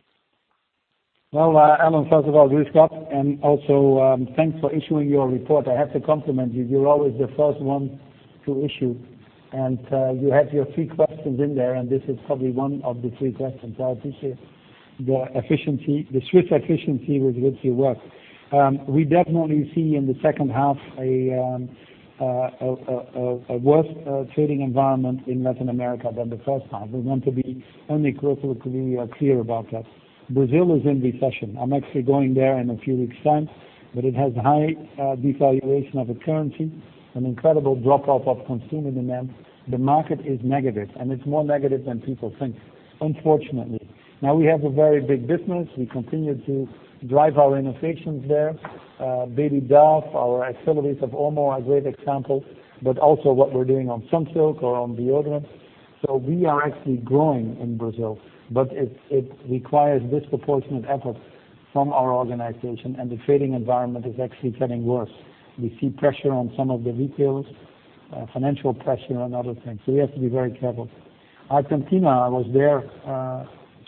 Well, Alain, first of all, greetings, and also thanks for issuing your report. I have to compliment you. You're always the first one to issue, and you had your three questions in there, and this is probably one of the three questions. I appreciate the Swiss efficiency with which you work. We definitely see in the second half a worse trading environment in Latin America than the first half. We want to be only brutally clear about that. Brazil is in recession. I'm actually going there in a few weeks' time. It has high devaluation of a currency, an incredible drop-off of consumer demand. The market is negative. It's more negative than people think, unfortunately. We have a very big business. We continue to drive our innovations there. Baby Dove, our activities of Omo are great examples, also what we're doing on Sunsilk or on deodorant. We are actually growing in Brazil. It requires disproportionate effort from our organization. The trading environment is actually getting worse. We see pressure on some of the retailers, financial pressure, and other things. We have to be very careful. Argentina, I was there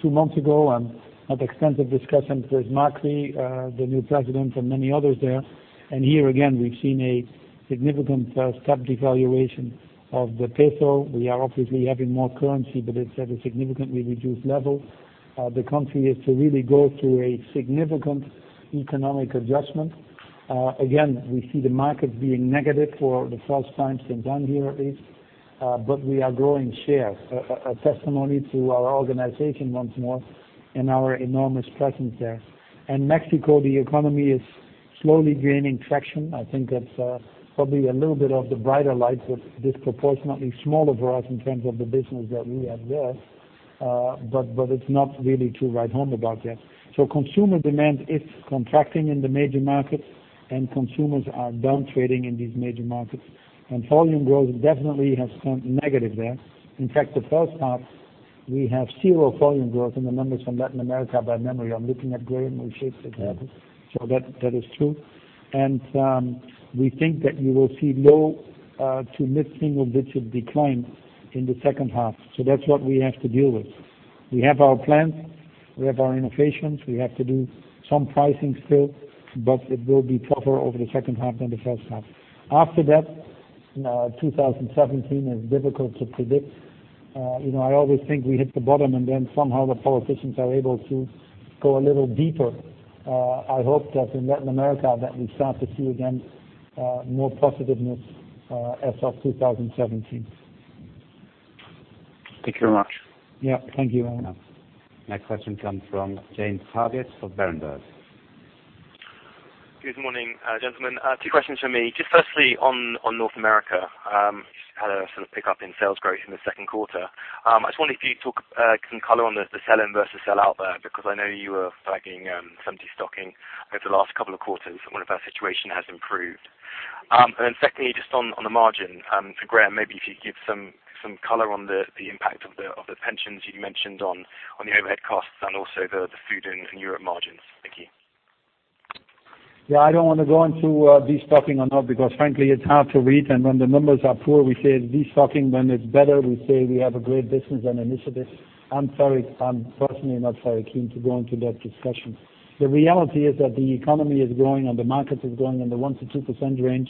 two months ago and had extensive discussions with Macri, the new president, and many others there. Here again, we've seen a significant step devaluation of the peso. We are obviously having more currency. It's at a significantly reduced level. The country has to really go through a significant economic adjustment. Again, we see the market being negative for the first time since I'm here at least. We are growing share, a testimony to our organization once more and our enormous presence there. In Mexico, the economy is slowly gaining traction. I think that's probably a little bit of the brighter light. Disproportionately smaller for us in terms of the business that we have there. It's not really to write home about yet. Consumer demand is contracting in the major markets. Consumers are done trading in these major markets. Volume growth definitely has turned negative there. In fact, the first half, we have zero volume growth in the numbers from Latin America by memory. I'm looking at Graeme who shakes his head. That is true. We think that you will see low to mid-single digit decline in the second half. That's what we have to deal with. We have our plans, we have our innovations, we have to do some pricing still. It will be tougher over the second half than the first half. After that, 2017 is difficult to predict. I always think we hit the bottom, then somehow the politicians are able to go a little deeper. I hope that in Latin America that we start to see, again, more positiveness as of 2017. Thank you very much. Yeah. Thank you, Alan. Next question comes from James Targett of Berenberg. Good morning, gentlemen. Two questions from me. Firstly on North America, had a sort of pick up in sales growth in the second quarter. I just wonder if you'd talk some color on the sell-in versus sell out there, because I know you were flagging some de-stocking over the last couple of quarters, and wonder if that situation has improved. Secondly, just on the margin, for Graeme, maybe if you could give some color on the impact of the pensions you mentioned on the overhead costs and also the food and Europe margins. Thank you. Yeah, I don't want to go into de-stocking or not because frankly, it's hard to read. When the numbers are poor, we say it's de-stocking. When it's better, we say we have a great business and initiatives. I'm personally not very keen to go into that discussion. The reality is that the economy is growing, and the market is growing in the 1%-2% range.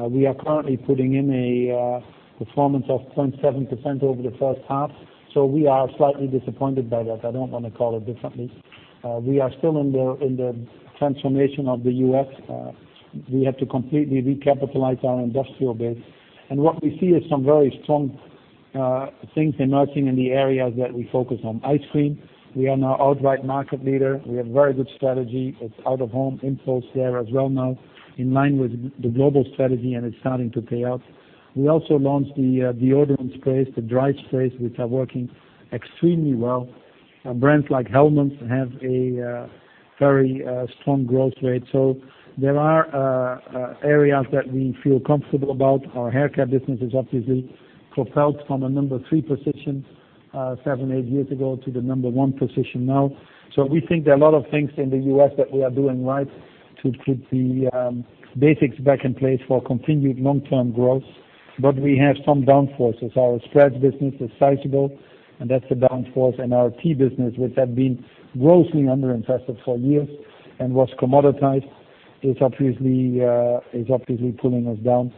We are currently putting in a performance of 0.7% over the first half. We are slightly disappointed by that. I don't want to call it differently. We are still in the transformation of the U.S. We have to completely recapitalize our industrial base. What we see is some very strong things emerging in the areas that we focus on. Ice cream, we are now outright market leader. We have very good strategy. It's out-of-home impulse there as well now, in line with the global strategy, and it's starting to pay off. We also launched the deodorant sprays, the dry sprays, which are working extremely well. Brands like Hellmann's have a very strong growth rate. There are areas that we feel comfortable about. Our haircare business has obviously propelled from a number 3 position 7, 8 years ago to the number 1 position now. We think there are a lot of things in the U.S. that we are doing right to put the basics back in place for continued long-term growth. We have some downforces. Our spreads business is sizable, and that's a downforce. Our tea business, which had been grossly under-invested for years and was commoditized, is obviously pulling us down.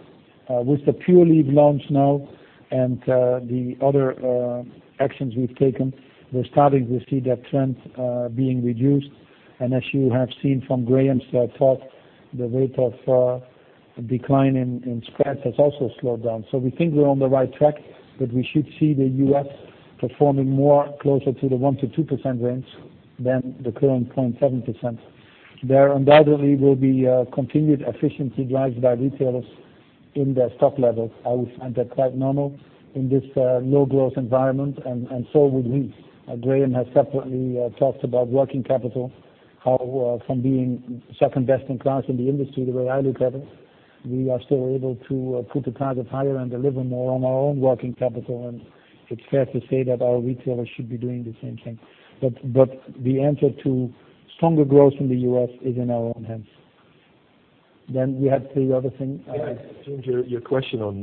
With the Pure Leaf launch now and the other actions we've taken, we're starting to see that trend being reduced. As you have seen from Graeme's talk, the rate of decline in spreads has also slowed down. We think we're on the right track, but we should see the U.S. performing more closer to the 1%-2% range than the current 0.7%. There undoubtedly will be continued efficiency drives by retailers in their stock levels. I would find that quite normal in this low growth environment, and so would we. Graeme has separately talked about working capital, how from being second best in class in the industry, the way I look at it, we are still able to put the price up higher and deliver more on our own working capital. It's fair to say that our retailers should be doing the same thing. The answer to stronger growth in the U.S. is in our own hands. We had three other things. Yeah. James, your question on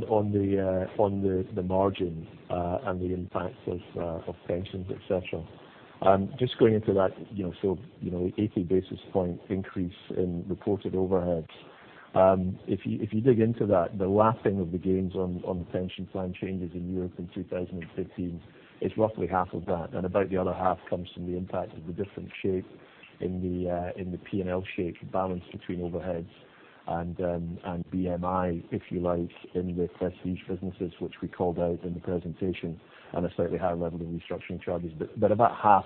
the margin and the impact of pensions, et cetera. Just going into that, 80 basis point increase in reported overheads. If you dig into that, the last thing of the gains on the pension plan changes in Europe in 2015 is roughly half of that. About the other half comes from the impact of the different shape in the P&L shape balance between overheads and BMI, if you like, in the Prestige businesses, which we called out in the presentation, and a slightly higher level of restructuring charges. About half,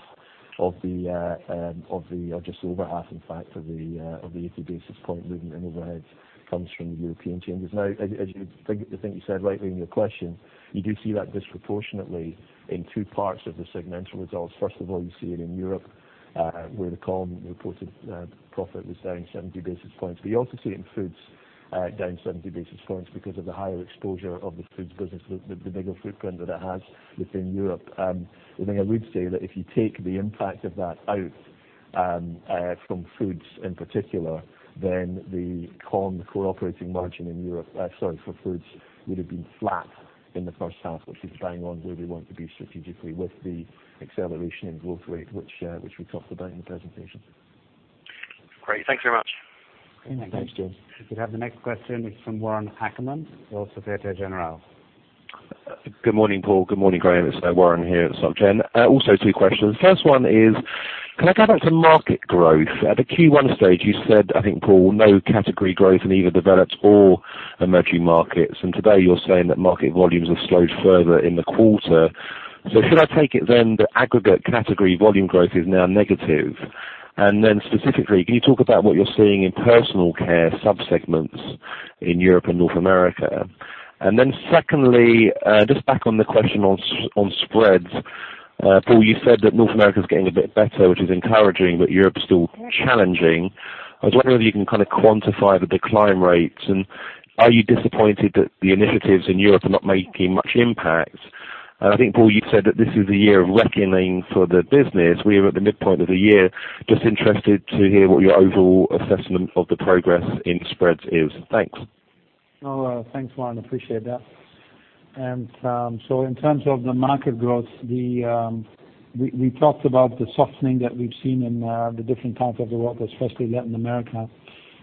or just over half, in fact, of the 80 basis point movement in overheads comes from the European changes. As you would think, you said rightly in your question, you do see that disproportionately in two parts of the segmental results. First of all, you see it in Europe, where the column reported profit was down 70 basis points. You also see it in foods down 70 basis points because of the higher exposure of the foods business, the bigger footprint that it has within Europe. The thing I would say that if you take the impact of that out from foods in particular, then the core operating margin in Europe, sorry, for foods, would have been flat in the first half, which is bang on where we want to be strategically with the acceleration in growth rate, which we talked about in the presentation. Great. Thank you very much. Thanks, James. We have the next question. It's from Warren Ackerman of Société Générale. Good morning, Paul. Good morning, Graeme. It's Warren here at Soc Gen. Two questions. First one is, can I go back to market growth? At the Q1 stage, you said, I think, Paul, no category growth in either developed or emerging markets. Today you're saying that market volumes have slowed further in the quarter. Should I take it then that aggregate category volume growth is now negative? Specifically, can you talk about what you're seeing in personal care subsegments in Europe and North America? Secondly, just back on the question on spreads. Paul, you said that North America is getting a bit better, which is encouraging, but Europe is still challenging. I was wondering if you can kind of quantify the decline rates and are you disappointed that the initiatives in Europe are not making much impact? I think, Paul, you said that this is the year of reckoning for the business. We are at the midpoint of the year. Just interested to hear what your overall assessment of the progress in spreads is. Thanks. Thanks, Warren. Appreciate that. In terms of the market growth, we talked about the softening that we've seen in the different parts of the world, especially Latin America.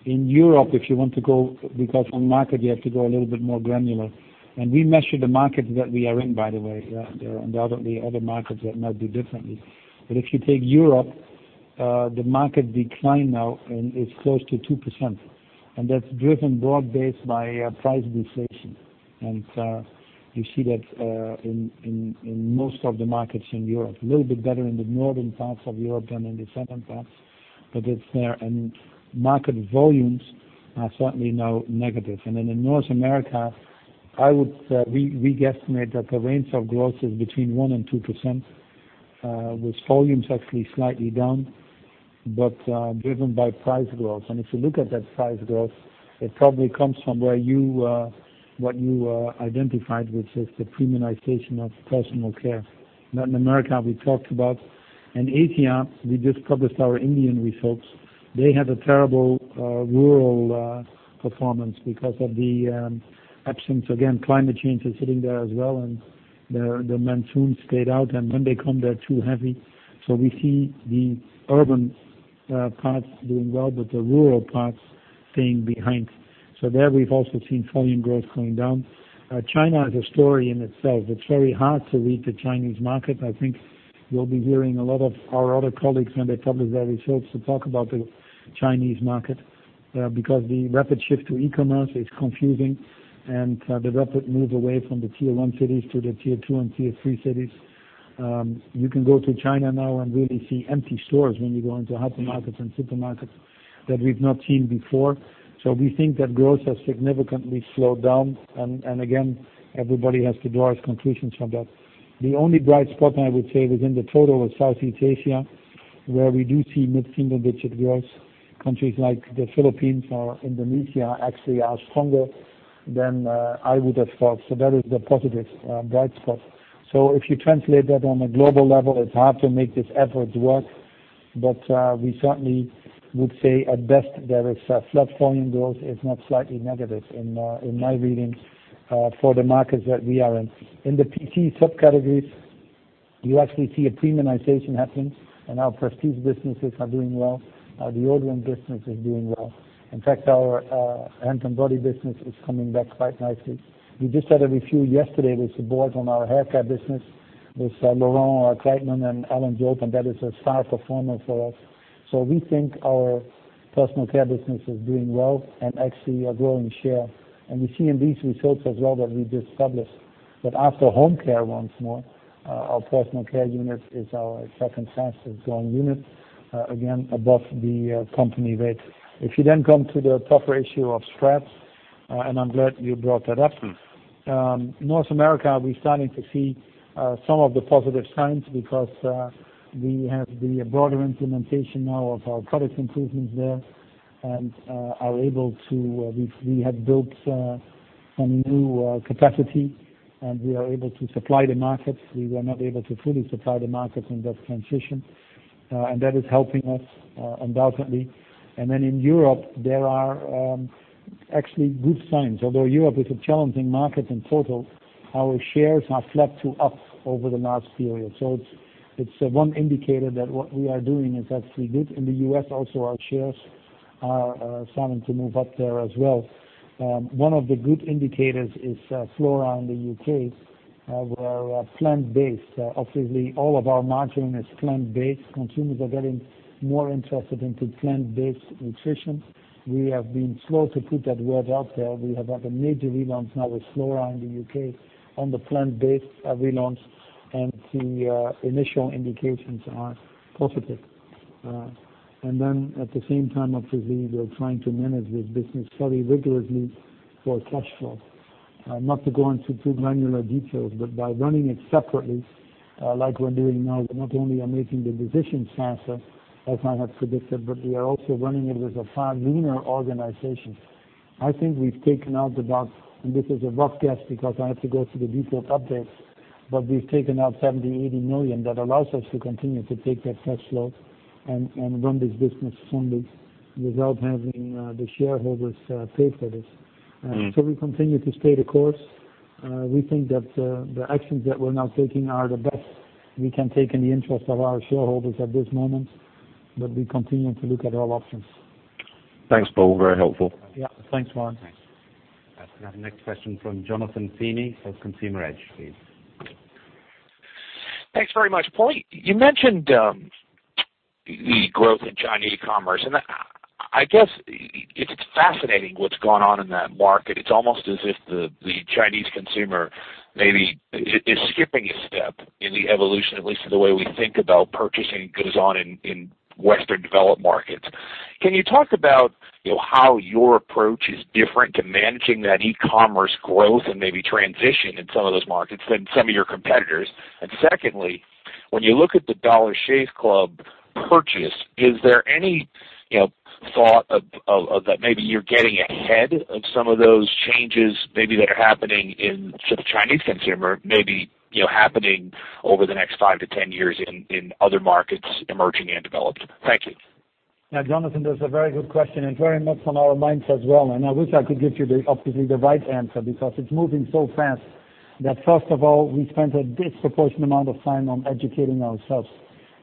In Europe, if you want to go, because on market, you have to go a little bit more granular. We measure the markets that we are in, by the way. There are undoubtedly other markets that might do differently. If you take Europe, the market decline now is close to 2%, and that's driven broad-based by price deflation. You see that in most of the markets in Europe. A little bit better in the northern parts of Europe than in the southern parts. It's there, and market volumes are certainly now negative. In North America, we guesstimate that the range of growth is between 1% and 2%, with volumes actually slightly down, but driven by price growth. If you look at that price growth, it probably comes from what you identified, which is the premiumization of personal care. Latin America, we talked about. In Asia, we just published our Indian results. They had a terrible rural performance because of the absence. Again, climate change is hitting there as well, and the monsoons stayed out, and when they come, they're too heavy. We see the urban parts doing well, but the rural parts staying behind. There we've also seen volume growth going down. China is a story in itself. It's very hard to read the Chinese market. I think you'll be hearing a lot of our other colleagues when they publish their results to talk about the Chinese market. The rapid shift to e-commerce is confusing, and the rapid move away from the tier 1 cities to the tier 2 and tier 3 cities. You can go to China now and really see empty stores when you go into hypermarkets and supermarkets that we've not seen before. We think that growth has significantly slowed down. Again, everybody has to draw his conclusions from that. The only bright spot I would say within the total is Southeast Asia, where we do see mid-single digit growth. Countries like the Philippines or Indonesia actually are stronger than I would have thought. That is the positive bright spot. If you translate that on a global level, it's hard to make this average work. We certainly would say at best there is a flat volume growth if not slightly negative in my readings for the markets that we are in. In the PC subcategories, you actually see a premiumization happen and our Prestige businesses are doing well. Our deodorant business is doing well. In fact, our hand and body business is coming back quite nicely. We just had a review yesterday with the board on our haircare business with Laurent, our President, and Alan Jope, and that is a star performer for us. We think our personal care business is doing well and actually are growing share. We see in these results as well that we just published after home care once more, our personal care unit is our second fastest growing unit, again, above the company rate. If you come to the tougher issue of spreads, I'm glad you brought that up, please. North America, we're starting to see some of the positive signs because we have the broader implementation now of our product improvements there and we have built some new capacity, and we are able to supply the markets. We were not able to fully supply the markets in that transition, and that is helping us undoubtedly. In Europe, there are actually good signs. Although Europe is a challenging market in total, our shares have flat to up over the last period. It's one indicator that what we are doing is actually good. In the U.S. also, our shares are starting to move up there as well. One of the good indicators is Flora in the U.K., where plant-based. Obviously, all of our margarine is plant-based. Consumers are getting more interested into plant-based nutrition. We have been slow to put that word out there. We have had a major relaunch now with Flora in the U.K. on the plant-based relaunch, the initial indications are positive. At the same time, obviously, we are trying to manage this business very rigorously for cash flow. Not to go into too granular details, but by running it separately, like we're doing now, not only are making the decisions faster as I have predicted, but we are also running it with a far leaner organization. I think we've taken out about, and this is a rough guess because I have to go through the detailed updates, but we've taken out 70 million, 80 million that allows us to continue to take that cash flow and run this business funded without having the shareholders pay for this. We continue to stay the course. We think that the actions that we're now taking are the best we can take in the interest of our shareholders at this moment, but we continue to look at all options. Thanks, Paul. Very helpful. Thanks, Warren. Thanks. Our next question from Jonathan Feeney of Consumer Edge, please. Thanks very much, Paul. You mentioned the growth in Chinese e-commerce, I guess it's fascinating what's gone on in that market. It's almost as if the Chinese consumer maybe is skipping a step in the evolution, at least the way we think about purchasing goes on in Western developed markets. Can you talk about how your approach is different to managing that e-commerce growth and maybe transition in some of those markets than some of your competitors? Secondly, when you look at the Dollar Shave Club purchase, is there any thought of that maybe you're getting ahead of some of those changes maybe that are happening in the Chinese consumer, maybe happening over the next 5 to 10 years in other markets, emerging and developed? Thank you. Yeah, Jonathan, that's a very good question, and very much on our minds as well. I wish I could give you obviously the right answer because it's moving so fast that first of all, we spent a disproportionate amount of time on educating ourselves.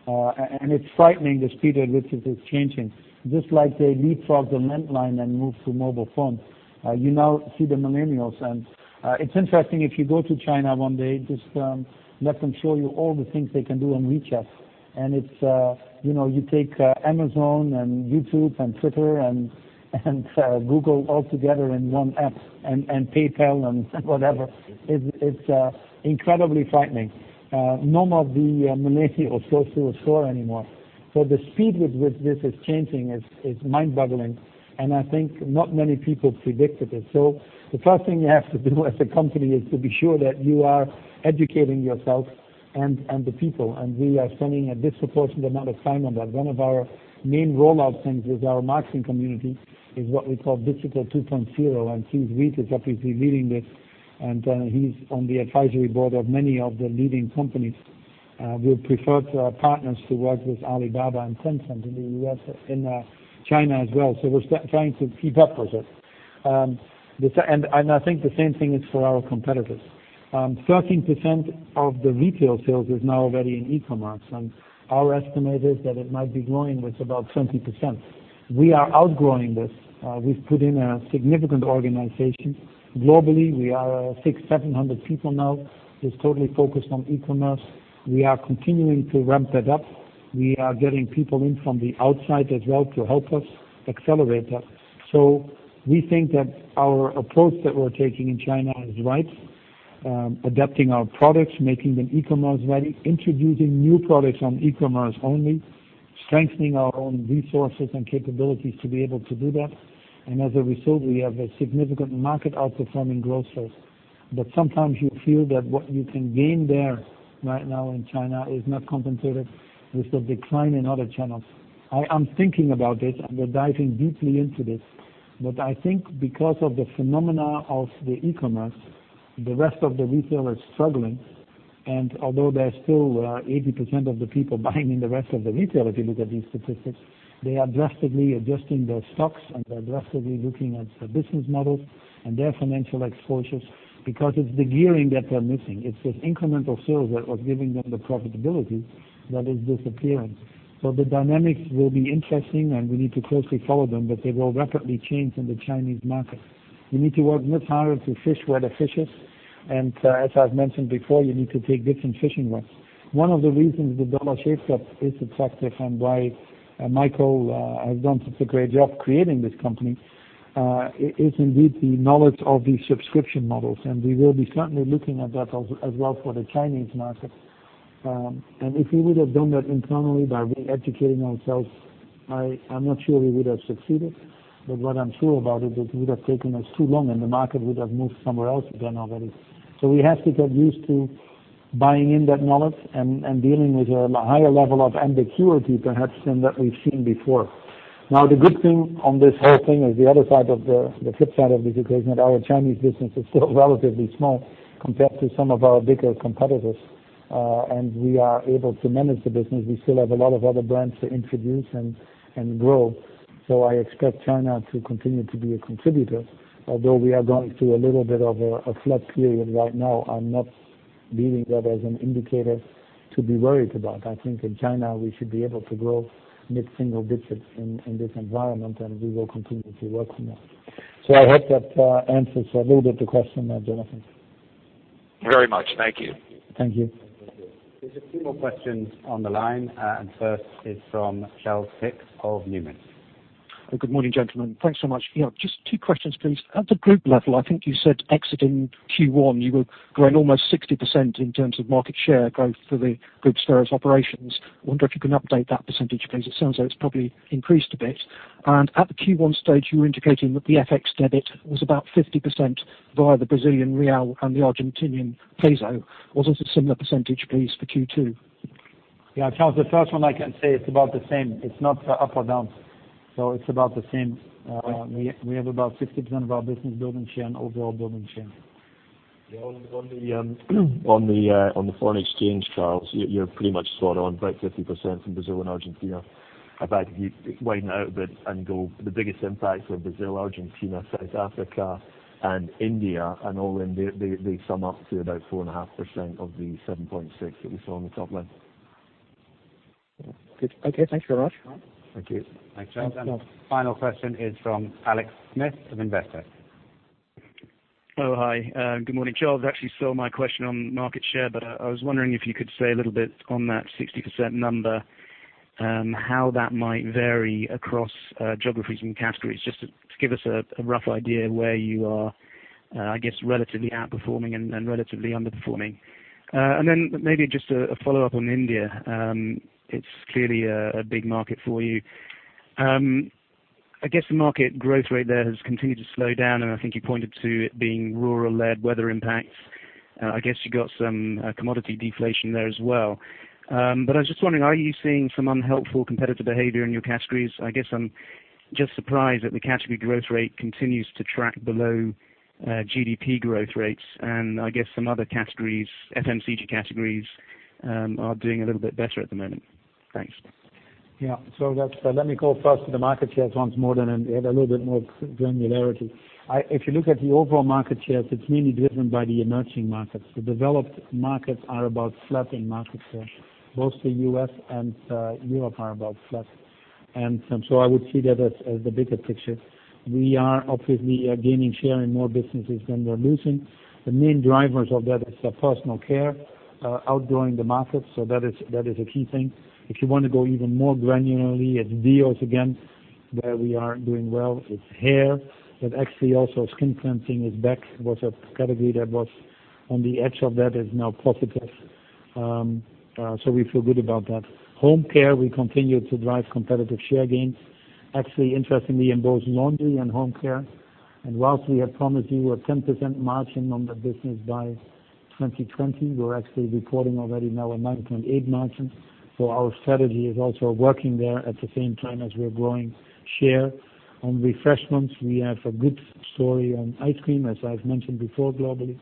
It's frightening the speed at which it is changing. Just like they leapfrogged the landline and moved to mobile phones, you now see the millennials, and it's interesting, if you go to China one day, just let them show you all the things they can do on WeChat. You take Amazon and YouTube and Twitter and Google all together in one app and PayPal and whatever. It's incredibly frightening. None of the millennials go to a store anymore. The speed with which this is changing is mind-boggling, and I think not many people predicted it. The first thing you have to do as a company is to be sure that you are educating yourself and the people, and we are spending a disproportionate amount of time on that. One of our main rollout things with our marketing community is what we call Digital 2.0, and Hugh Wieck is obviously leading this, and he's on the advisory board of many of the leading companies. We prefer to have partners to work with Alibaba and Tencent in China as well. We're trying to keep up with it. I think the same thing is for our competitors. 13% of the retail sales is now already in e-commerce, and our estimate is that it might be growing with about 20%. We are outgrowing this. We've put in a significant organization. Globally, we are 600, 700 people now, just totally focused on e-commerce. We are continuing to ramp that up. We are getting people in from the outside as well to help us accelerate that. We think that our approach that we're taking in China is right, adapting our products, making them e-commerce ready, introducing new products on e-commerce only, strengthening our own resources and capabilities to be able to do that, and as a result, we have a significant market outperforming growth rate. Sometimes you feel that what you can gain there right now in China is not compensated with the decline in other channels. I am thinking about this, and we're diving deeply into this. I think because of the phenomena of the e-commerce, the rest of the retailer is struggling, and although there's still 80% of the people buying in the rest of the retail, if you look at these statistics, they are drastically adjusting their stocks, and they're drastically looking at their business models and their financial exposures because it's the gearing that they're missing. It's those incremental sales that was giving them the profitability that is disappearing. The dynamics will be interesting, and we need to closely follow them, but they will rapidly change in the Chinese market. You need to work much harder to fish where the fish is, and as I've mentioned before, you need to take different fishing rods. One of the reasons the Dollar Shave Club is attractive and why Michael has done such a great job creating this company Is indeed the knowledge of the subscription models, and we will be certainly looking at that as well for the Chinese market. If we would have done that internally by re-educating ourselves, I'm not sure we would have succeeded. What I'm sure about it is it would have taken us too long, and the market would have moved somewhere else again already. We have to get used to buying in that knowledge and dealing with a higher level of ambiguity, perhaps, than that we've seen before. Now, the good thing on this whole thing is the flip side of this equation, that our Chinese business is still relatively small compared to some of our bigger competitors. We are able to manage the business. We still have a lot of other brands to introduce and grow. I expect China to continue to be a contributor, although we are going through a little bit of a flat period right now. I'm not reading that as an indicator to be worried about. I think in China, we should be able to grow mid-single digits in this environment, and we will continue to work on that. I hope that answers a little bit the question there, Jonathan. Very much. Thank you. Thank you. Thank you. There's a few more questions on the line. First is from Charles Pick of Numis. Good morning, gentlemen. Thanks so much. Just two questions, please. At the group level, I think you said exiting Q1, you were growing almost 60% in terms of market share growth for the group's various operations. I wonder if you can update that percentage, please. At the Q1 stage, you were indicating that the FX debit was about 50% via the Brazilian real and the Argentinian peso. Was it a similar percentage, please, for Q2? Charles, the first one I can say it's about the same. It's not up or down. It's about the same. We have about 60% of our business building share and overall building share. On the foreign exchange, Charles, you're pretty much spot on, about 50% from Brazil and Argentina. In fact, if you widen it out a bit and go, the biggest impacts are Brazil, Argentina, South Africa, and India. All in, they sum up to about 4.5% of the 7.6% that we saw on the top line. Good. Okay, thanks very much. Thank you. Thanks, Charles. Final question is from Alex Smith of Investec. Oh, hi. Good morning, Charles. Actually saw my question on market share. I was wondering if you could say a little bit on that 60% number, how that might vary across geographies and categories, just to give us a rough idea where you are, I guess, relatively outperforming and relatively underperforming. Then maybe just a follow-up on India. It's clearly a big market for you. I guess the market growth rate there has continued to slow down, and I think you pointed to it being rural-led weather impacts. I guess you got some commodity deflation there as well. I was just wondering, are you seeing some unhelpful competitive behavior in your categories? I guess I'm just surprised that the category growth rate continues to track below GDP growth rates, and I guess some other categories, FMCG categories, are doing a little bit better at the moment. Thanks. Yeah. Let me go first to the market shares once more, then add a little bit more granularity. If you look at the overall market shares, it's mainly driven by the emerging markets. The developed markets are about flat in market share. Both the U.S. and Europe are about flat. I would see that as the bigger picture. We are obviously gaining share in more businesses than we're losing. The main drivers of that is personal care outgrowing the market. That is a key thing. If you want to go even more granularly, it's deals again where we are doing well with hair, but actually also skin cleansing is back. It was a category that was on the edge of that, is now positive. We feel good about that. Home care, we continue to drive competitive share gains, actually, interestingly, in both laundry and home care. Whilst we have promised you a 10% margin on that business by 2020, we're actually reporting already now a 9.8 margin. Our strategy is also working there at the same time as we're growing share. On refreshments, we have a good story on ice cream, as I've mentioned before globally.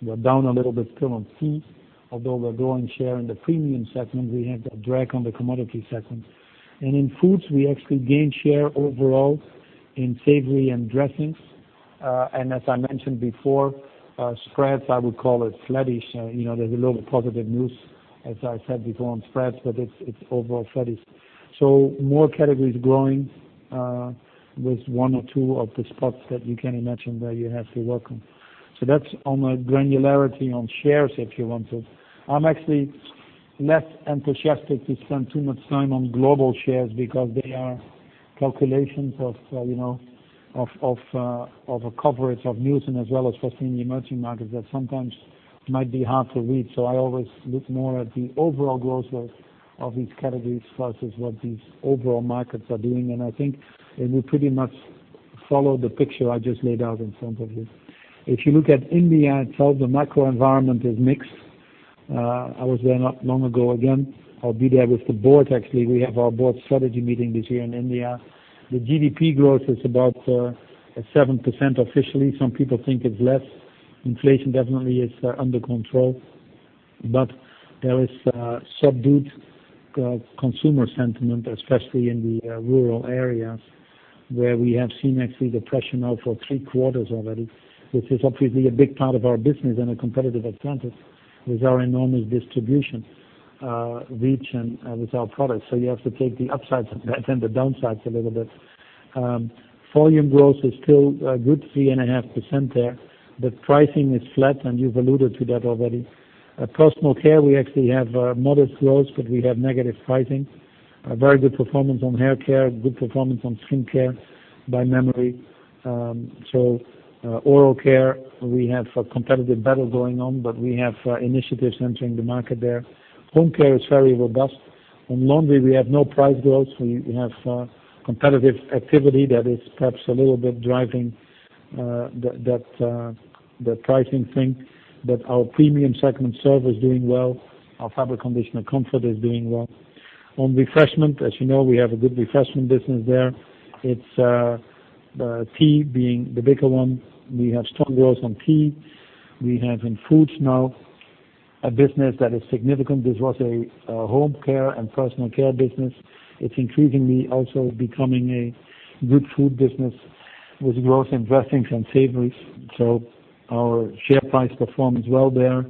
We're down a little bit still on teas. Although we're growing share in the premium segment, we have a drag on the commodity segment. In foods, we actually gained share overall in savory and dressings. As I mentioned before, spreads, I would call it flattish. There's a little bit positive news, as I said before, on spreads, but it's overall flattish. More categories growing with one or two of the spots that you can imagine where you have to work on. That's on the granularity on shares, if you want to. I'm actually less enthusiastic to spend too much time on global shares because they are calculations of a coverage of news and as well as we're seeing the emerging markets that sometimes might be hard to read. I always look more at the overall growth of these categories versus what these overall markets are doing. I think it will pretty much follow the picture I just laid out in front of you. If you look at India itself, the macro environment is mixed. I was there not long ago again. I'll be there with the board, actually. We have our board strategy meeting this year in India. The GDP growth is about at 7% officially. Some people think it's less. Inflation definitely is under control. There is a subdued consumer sentiment, especially in the rural areas where we have seen actually depression now for three quarters already, which is obviously a big part of our business and a competitive advantage with our enormous distribution reach and with our products. You have to take the upsides and the downsides a little bit. Volume growth is still a good 3.5% there, but pricing is flat, and you've alluded to that already. Personal care, we actually have a modest growth. We have negative pricing. A very good performance on hair care, good performance on skin care by memory. Oral care, we have a competitive battle going on. We have initiatives entering the market there. Home care is very robust. On laundry, we have no price growth. We have competitive activity that is perhaps a little bit driving that pricing thing. Our premium segment, Surf, is doing well. Our fabric conditioner, Comfort, is doing well. On refreshment, as you know, we have a good refreshment business there. It's tea being the bigger one. We have strong growth on tea. We have in foods now a business that is significant. This was a home care and personal care business. It's increasingly also becoming a good food business with growth in dressings and savories. Our share price performs well there.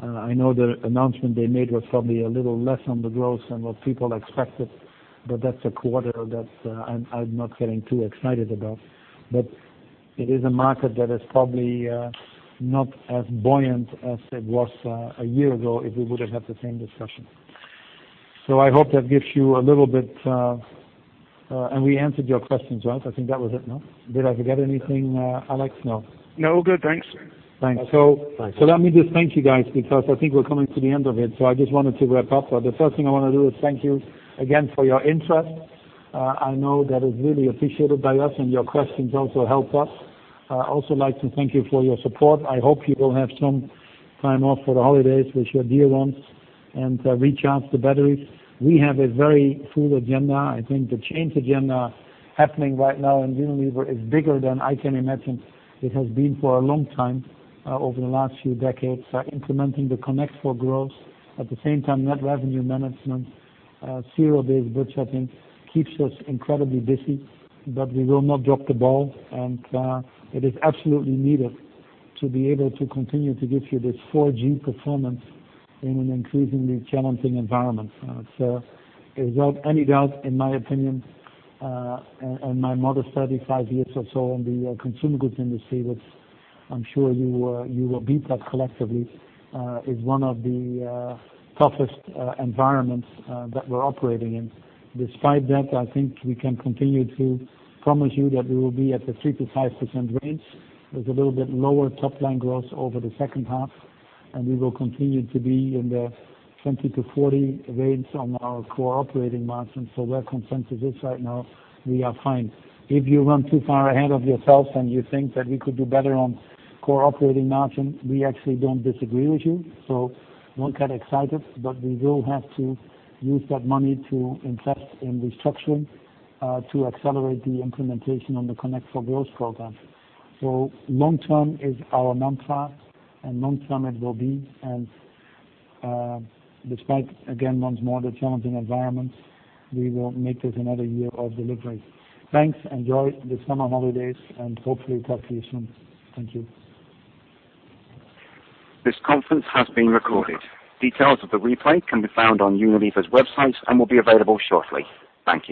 I know the announcement they made was probably a little less on the growth than what people expected. That's a quarter that I'm not getting too excited about. It is a market that is probably not as buoyant as it was a year ago if we would have had the same discussion. I hope that gives you a little bit. We answered your questions, right? I think that was it, no? Did I forget anything, Alex? No. No. We're good. Thanks. Thanks. Thanks. Let me just thank you guys because I think we're coming to the end of it, I just wanted to wrap up. The first thing I want to do is thank you again for your interest. I know that is really appreciated by us, and your questions also help us. I also like to thank you for your support. I hope you will have some time off for the holidays with your dear ones and recharge the batteries. We have a very full agenda. I think the change agenda happening right now in Unilever is bigger than I can imagine it has been for a long time over the last few decades. Implementing the Connected for Growth, at the same time, Net Revenue Management, Zero-Based Budgeting keeps us incredibly busy. We will not drop the ball, and it is absolutely needed to be able to continue to give you this 4G performance in an increasingly challenging environment. Without any doubt, in my opinion, and my modest 35 years or so in the consumer goods industry, which I'm sure you will beat that collectively, is one of the toughest environments that we're operating in. Despite that, I think we can continue to promise you that we will be at the 3%-5% range with a little bit lower top-line growth over the second half, and we will continue to be in the 20%-40% range on our core operating margin. Where consensus is right now, we are fine. If you run too far ahead of yourselves and you think that we could do better on core operating margin, we actually don't disagree with you, don't get excited. We will have to use that money to invest in restructuring to accelerate the implementation on the Connected for Growth program. Long term is our mantra, and long term it will be. Despite, again, once more, the challenging environment, we will make this another year of delivery. Thanks. Enjoy the summer holidays, and hopefully talk to you soon. Thank you. This conference has been recorded. Details of the replay can be found on Unilever's website and will be available shortly. Thank you.